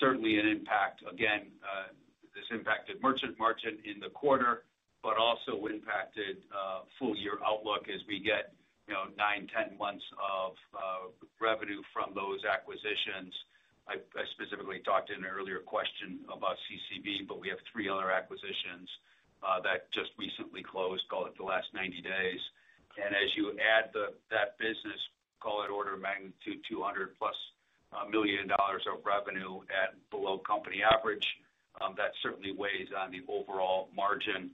S4: Certainly, an impact. Again, this impacted merchant margin in the quarter, but also impacted full year outlook as we get 9-10 months of revenue from those acquisitions. I specifically talked in an earlier question about CCV, but we have three other acquisitions that just recently closed, call it the last 90 days. As you add that business, call it order magnitude $200 million-plus of revenue at below company average, that certainly weighs on the overall margin.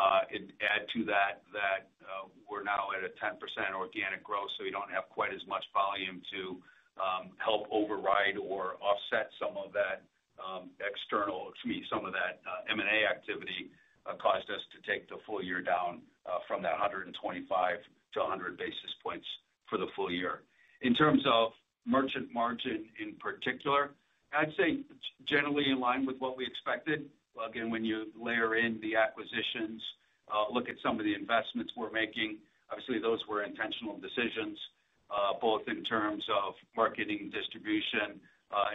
S4: Add to that that we're now at a 10% organic growth, so we don't have quite as much volume to help override or offset some of that. External, excuse me, some of that M&A activity caused us to take the full year down from that 125-100 basis points for the full year. In terms of merchant margin in particular, I'd say generally in line with what we expected. Again, when you layer in the acquisitions, look at some of the investments we're making, obviously, those were intentional decisions both in terms of marketing, distribution,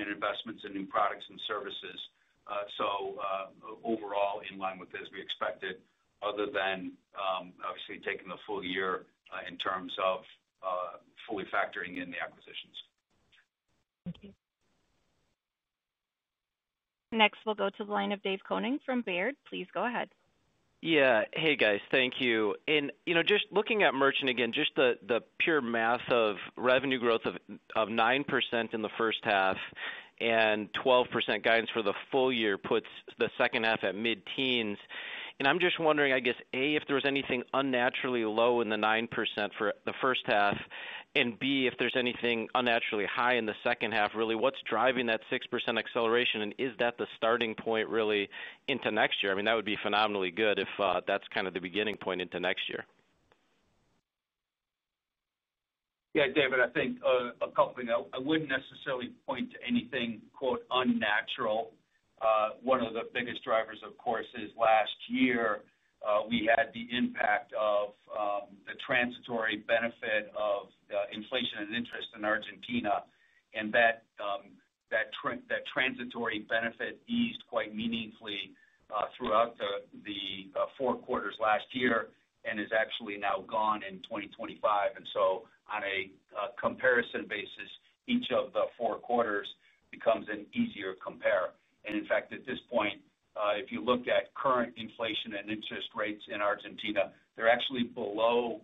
S4: and investments in new products and services. Overall in line with as we expected, other than obviously taking the full year in terms of fully factoring in the acquisitions.
S8: Thank you.
S1: Next, we'll go to the line of Dave Koenig from Baird. Please go ahead.
S9: Yeah. Hey, guys. Thank you. Just looking at merchant again, just the pure math of revenue growth of 9% in the first half and 12% guidance for the full year puts the second half at mid-teens. I'm just wondering, I guess, A, if there was anything unnaturally low in the 9% for the first half, and B, if there's anything unnaturally high in the second half, really, what's driving that 6% acceleration, and is that the starting point really into next year? I mean, that would be phenomenally good if that's kind of the beginning point into next year.
S4: Yeah, David, I think a couple of things. I wouldn't necessarily point to anything quote unnatural. One of the biggest drivers, of course, is last year we had the impact of the transitory benefit of inflation and interest in Argentina. That transitory benefit eased quite meaningfully throughout the four quarters last year and is actually now gone in 2025. On a comparison basis, each of the four quarters becomes an easier compare. In fact, at this point, if you look at current inflation and interest rates in Argentina, they're actually below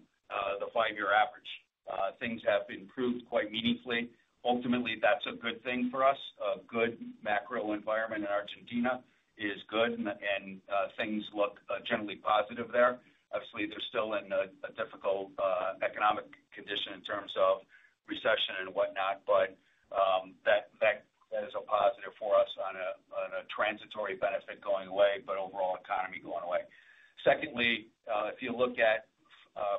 S4: the five-year average. Things have improved quite meaningfully. Ultimately, that's a good thing for us. A good macro environment in Argentina is good, and things look generally positive there. Obviously, they're still in a difficult economic condition in terms of recession and whatnot, but that is a positive for us on a transitory benefit going away, but overall economy going away. Secondly, if you look at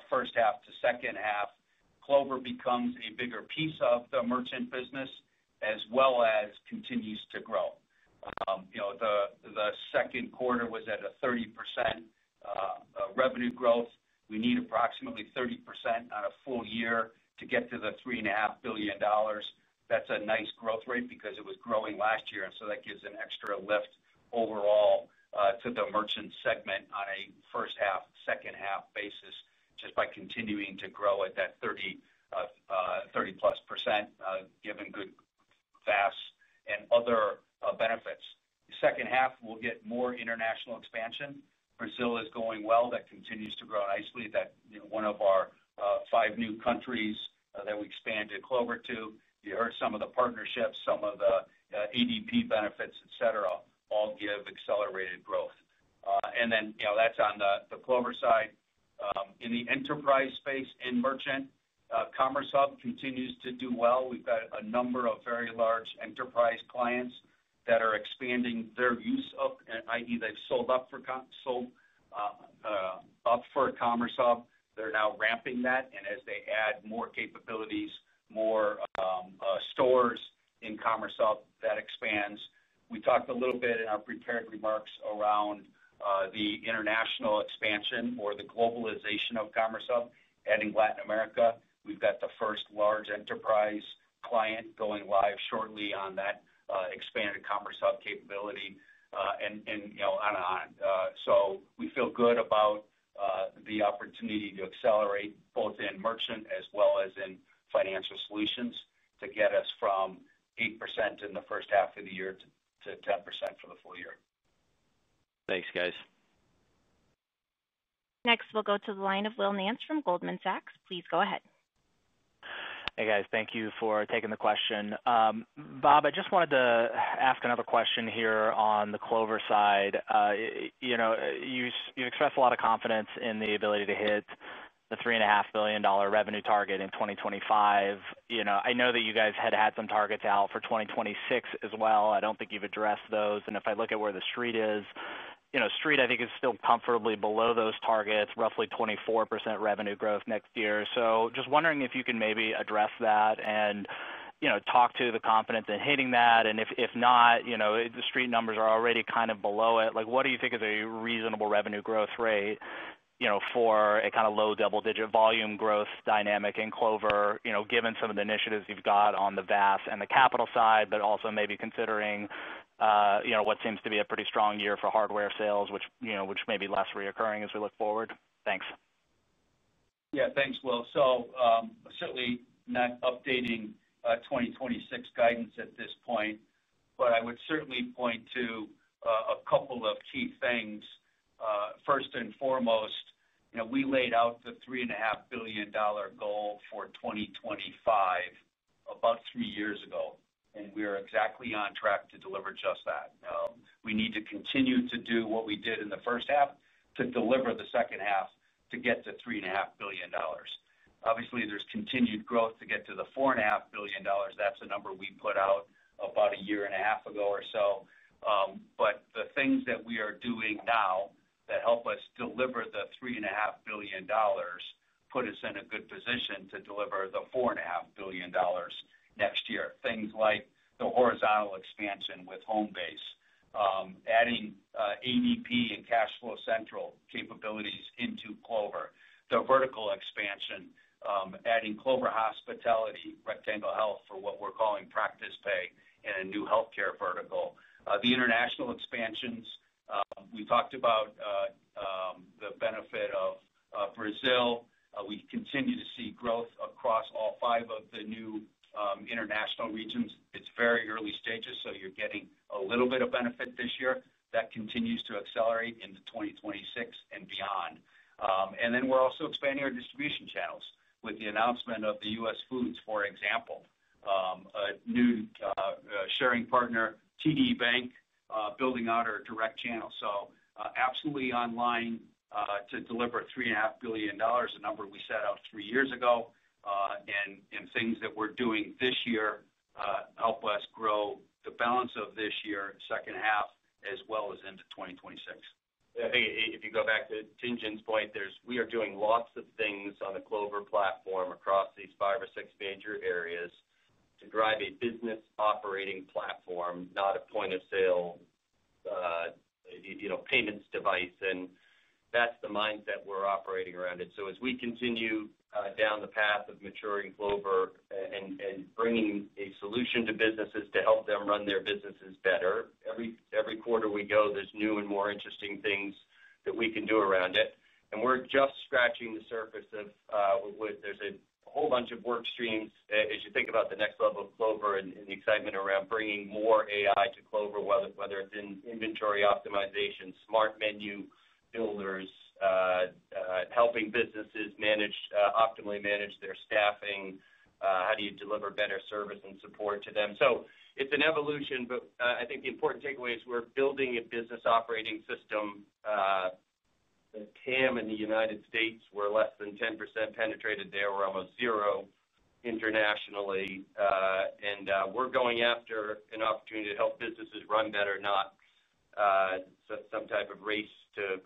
S4: first half to second half, Clover becomes a bigger piece of the merchant business as well as continues to grow. The second quarter was at a 30% revenue growth. We need approximately 30% on a full year to get to the $3.5 billion. That's a nice growth rate because it was growing last year. That gives an extra lift overall to the merchant segment on a first half, second half basis just by continuing to grow at that 30% plus, given good Fast and other benefits. The second half, we'll get more international expansion. Brazil is going well. That continues to grow nicely. That is one of our five new countries that we expanded Clover to, you heard some of the partnerships, some of the ADP benefits, etc., all give accelerated growth. That's on the Clover side. In the enterprise space and merchant, Commerce Hub continues to do well. We've got a number of very large enterprise clients that are expanding their use of, i.e., they've sold up for Commerce Hub. They're now ramping that. As they add more capabilities, more stores in Commerce Hub, that expands. We talked a little bit in our prepared remarks around the international expansion or the globalization of Commerce Hub, adding Latin America. We've got the first large enterprise client going live shortly on that expanded Commerce Hub capability. On and on. We feel good about. The opportunity to accelerate both in merchant as well as in financial solutions to get us from 8% in the first half of the year to 10% for the full year.
S9: Thanks, guys.
S1: Next, we'll go to the line of Will Nance from Goldman Sachs. Please go ahead.
S10: Hey, guys. Thank you for taking the question. Bob, I just wanted to ask another question here on the Clover side. You've expressed a lot of confidence in the ability to hit the $3.5 billion revenue target in 2025. I know that you guys had had some targets out for 2026 as well. I don't think you've addressed those. And if I look at where the street is, street, I think, is still comfortably below those targets, roughly 24% revenue growth next year. So just wondering if you can maybe address that and. Talk to the confidence in hitting that. And if not. The street numbers are already kind of below it. What do you think is a reasonable revenue growth rate. For a kind of low double-digit volume growth dynamic in Clover, given some of the initiatives you've got on the VAS and the capital side, but also maybe considering. What seems to be a pretty strong year for hardware sales, which may be less reoccurring as we look forward? Thanks.
S4: Yeah, thanks, Will. So. Certainly not updating 2026 guidance at this point, but I would certainly point to. A couple of key things. First and foremost, we laid out the $3.5 billion goal for 2025. About three years ago, and we're exactly on track to deliver just that. We need to continue to do what we did in the first half to deliver the second half to get to $3.5 billion. Obviously, there's continued growth to get to the $4.5 billion. That's a number we put out about a year and a half ago or so. But the things that we are doing now that help us deliver the $3.5 billion. Put us in a good position to deliver the $4.5 billion. Next year. Things like the horizontal expansion with Homebase. Adding ADP and Cashflow Central capabilities into Clover. The vertical expansion, adding Clover Hospitality, Rectangle Health for what we're calling practice pay in a new healthcare vertical. The international expansions, we talked about. The benefit of. Brazil. We continue to see growth across all five of the new. International regions. It's very early stages, so you're getting a little bit of benefit this year. That continues to accelerate into 2026 and beyond. And then we're also expanding our distribution channels with the announcement of the US Foods, for example. A new. Sharing partner, TD Bank, building out our direct channel. So absolutely on line to deliver $3.5 billion, a number we set out three years ago. And things that we're doing this year. Help us grow the balance of this year, second half, as well as into 2026.
S3: I think if you go back to Tin Jun's point, we are doing lots of things on the Clover platform across these five or six major areas to drive a business operating platform, not a point of sale payments device. That is the mindset we're operating around it. As we continue down the path of maturing Clover and bringing a solution to businesses to help them run their businesses better, every quarter we go, there are new and more interesting things that we can do around it. We're just scratching the surface of it. There is a whole bunch of work streams. As you think about the next level of Clover and the excitement around bringing more AI to Clover, whether it's in inventory optimization, smart menu builders, helping businesses optimally manage their staffing, how do you deliver better service and support to them. It is an evolution, but I think the important takeaway is we're building a business operating system. The TAM in the United States, we're less than 10% penetrated there. We're almost zero internationally. We're going after an opportunity to help businesses run better, not some type of race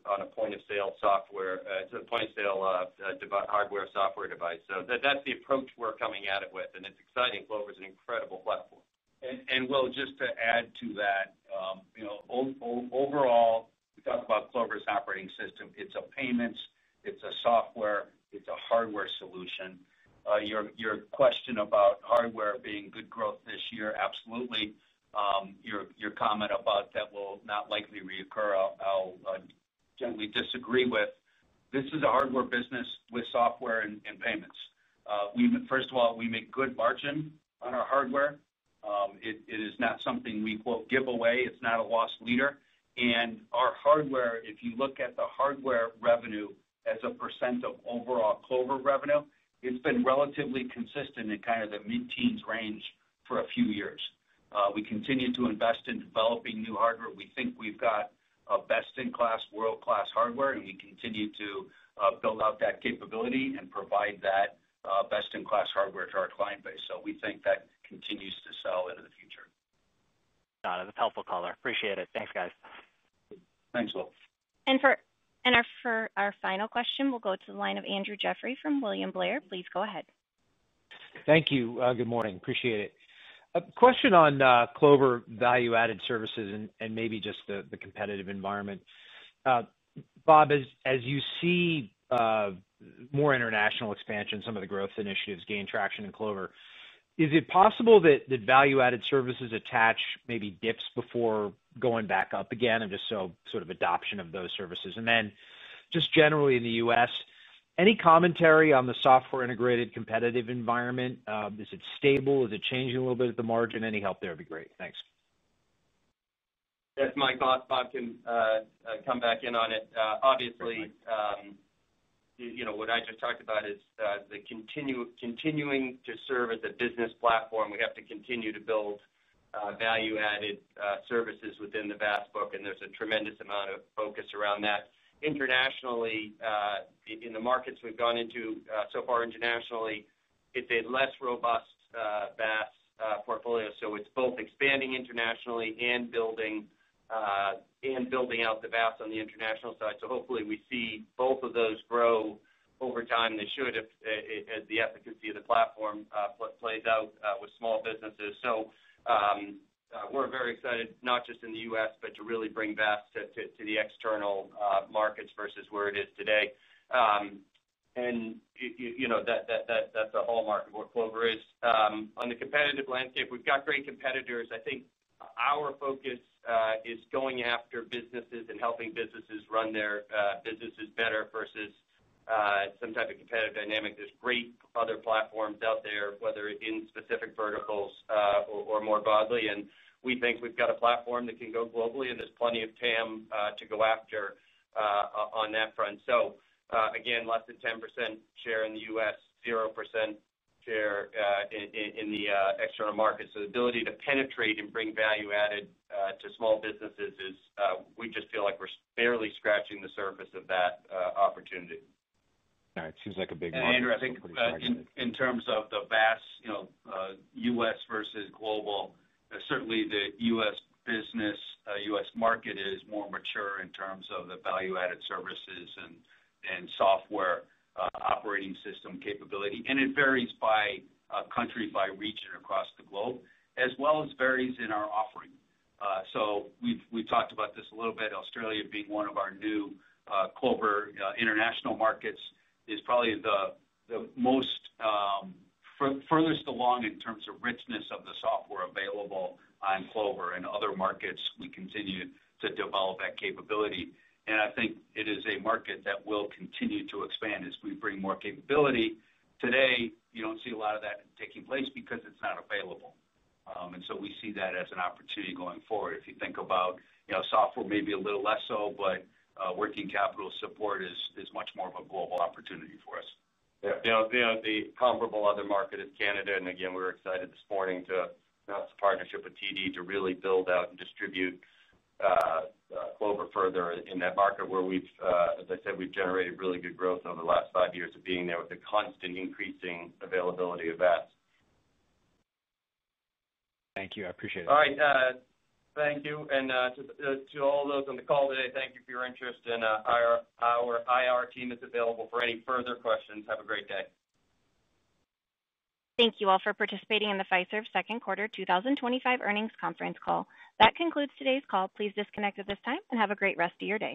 S3: on a point of sale software, to the point of sale hardware software device. That is the approach we're coming at it with. It is exciting. Clover is an incredible platform. Will, just to add to that, overall, we talked about Clover's operating system. It's a payments, it's a software, it's a hardware solution. Your question about hardware being good growth this year, absolutely. Your comment about that will not likely reoccur, I'll gently disagree with. This is a hardware business with software and payments. First of all, we make good margin on our hardware. It is not something we quote give away. It's not a loss leader. Our hardware, if you look at the hardware revenue as a percent of overall Clover revenue, it's been relatively consistent in kind of the mid-teens range for a few years. We continue to invest in developing new hardware. We think we've got a best-in-class, world-class hardware, and we continue to build out that capability and provide that best-in-class hardware to our client base. We think that continues to sell into the future.
S10: Got it. That's helpful, Collar. Appreciate it. Thanks, guys.
S4: Thanks, Will.
S1: For our final question, we'll go to the line of Andrew Jeffrey from William Blair. Please go ahead.
S11: Thank you. Good morning. Appreciate it. Question on Clover value-added services and maybe just the competitive environment. Bob, as you see more international expansion, some of the growth initiatives gain traction in Clover, is it possible that value-added services attach maybe dips before going back up again? Just so sort of adoption of those services. Then just generally in the U.S., any commentary on the software-integrated competitive environment? Is it stable? Is it changing a little bit at the margin? Any help there would be great. Thanks.
S3: That's my thought. Bob can come back in on it. Obviously. What I just talked about is the continuing to serve as a business platform. We have to continue to build value-added services within the VAS book, and there's a tremendous amount of focus around that. Internationally, in the markets we've gone into so far internationally, it's a less robust VAS portfolio. It's both expanding internationally and building out the VAS on the international side. Hopefully, we see both of those grow over time. They should, as the efficacy of the platform plays out with small businesses. We're very excited, not just in the U.S., but to really bring VAS to the external markets versus where it is today. That's a hallmark of what Clover is. On the competitive landscape, we've got great competitors. I think our focus is going after businesses and helping businesses run their businesses better versus some type of competitive dynamic. There's great other platforms out there, whether in specific verticals or more broadly. We think we've got a platform that can go globally, and there's plenty of TAM to go after on that front. Again, less than 10% share in the U.S., 0% share in the external markets. The ability to penetrate and bring value-added to small businesses, we just feel like we're barely scratching the surface of that opportunity.
S4: All right. Seems like a big market. Andrew, I think in terms of the VAS, U.S. versus global, certainly the U.S. business, U.S. market is more mature in terms of the value-added services and software operating system capability. It varies by country, by region across the globe, as well as varies in our offering. We've talked about this a little bit. Australia being one of our new Clover international markets is probably the most furthest along in terms of richness of the software available on Clover. In other markets, we continue to develop that capability. I think it is a market that will continue to expand as we bring more capability. Today, you do not see a lot of that taking place because it's not available. We see that as an opportunity going forward. If you think about software, maybe a little less so, but working capital support is much more of a global opportunity for us. Yeah. The comparable other market is Canada. Again, we were excited this morning to have the partnership with TD to really build out and distribute Clover further in that market where we've, as I said, we've generated really good growth over the last five years of being there with the constant increasing availability of VAS.
S11: Thank you. I appreciate it.
S3: All right. Thank you. To all those on the call today, thank you for your interest. Our IR team is available for any further questions. Have a great day.
S1: Thank you all for participating in the Fiserv Second Quarter 2025 Earnings Conference Call. That concludes today's call. Please disconnect at this time and have a great rest of your day.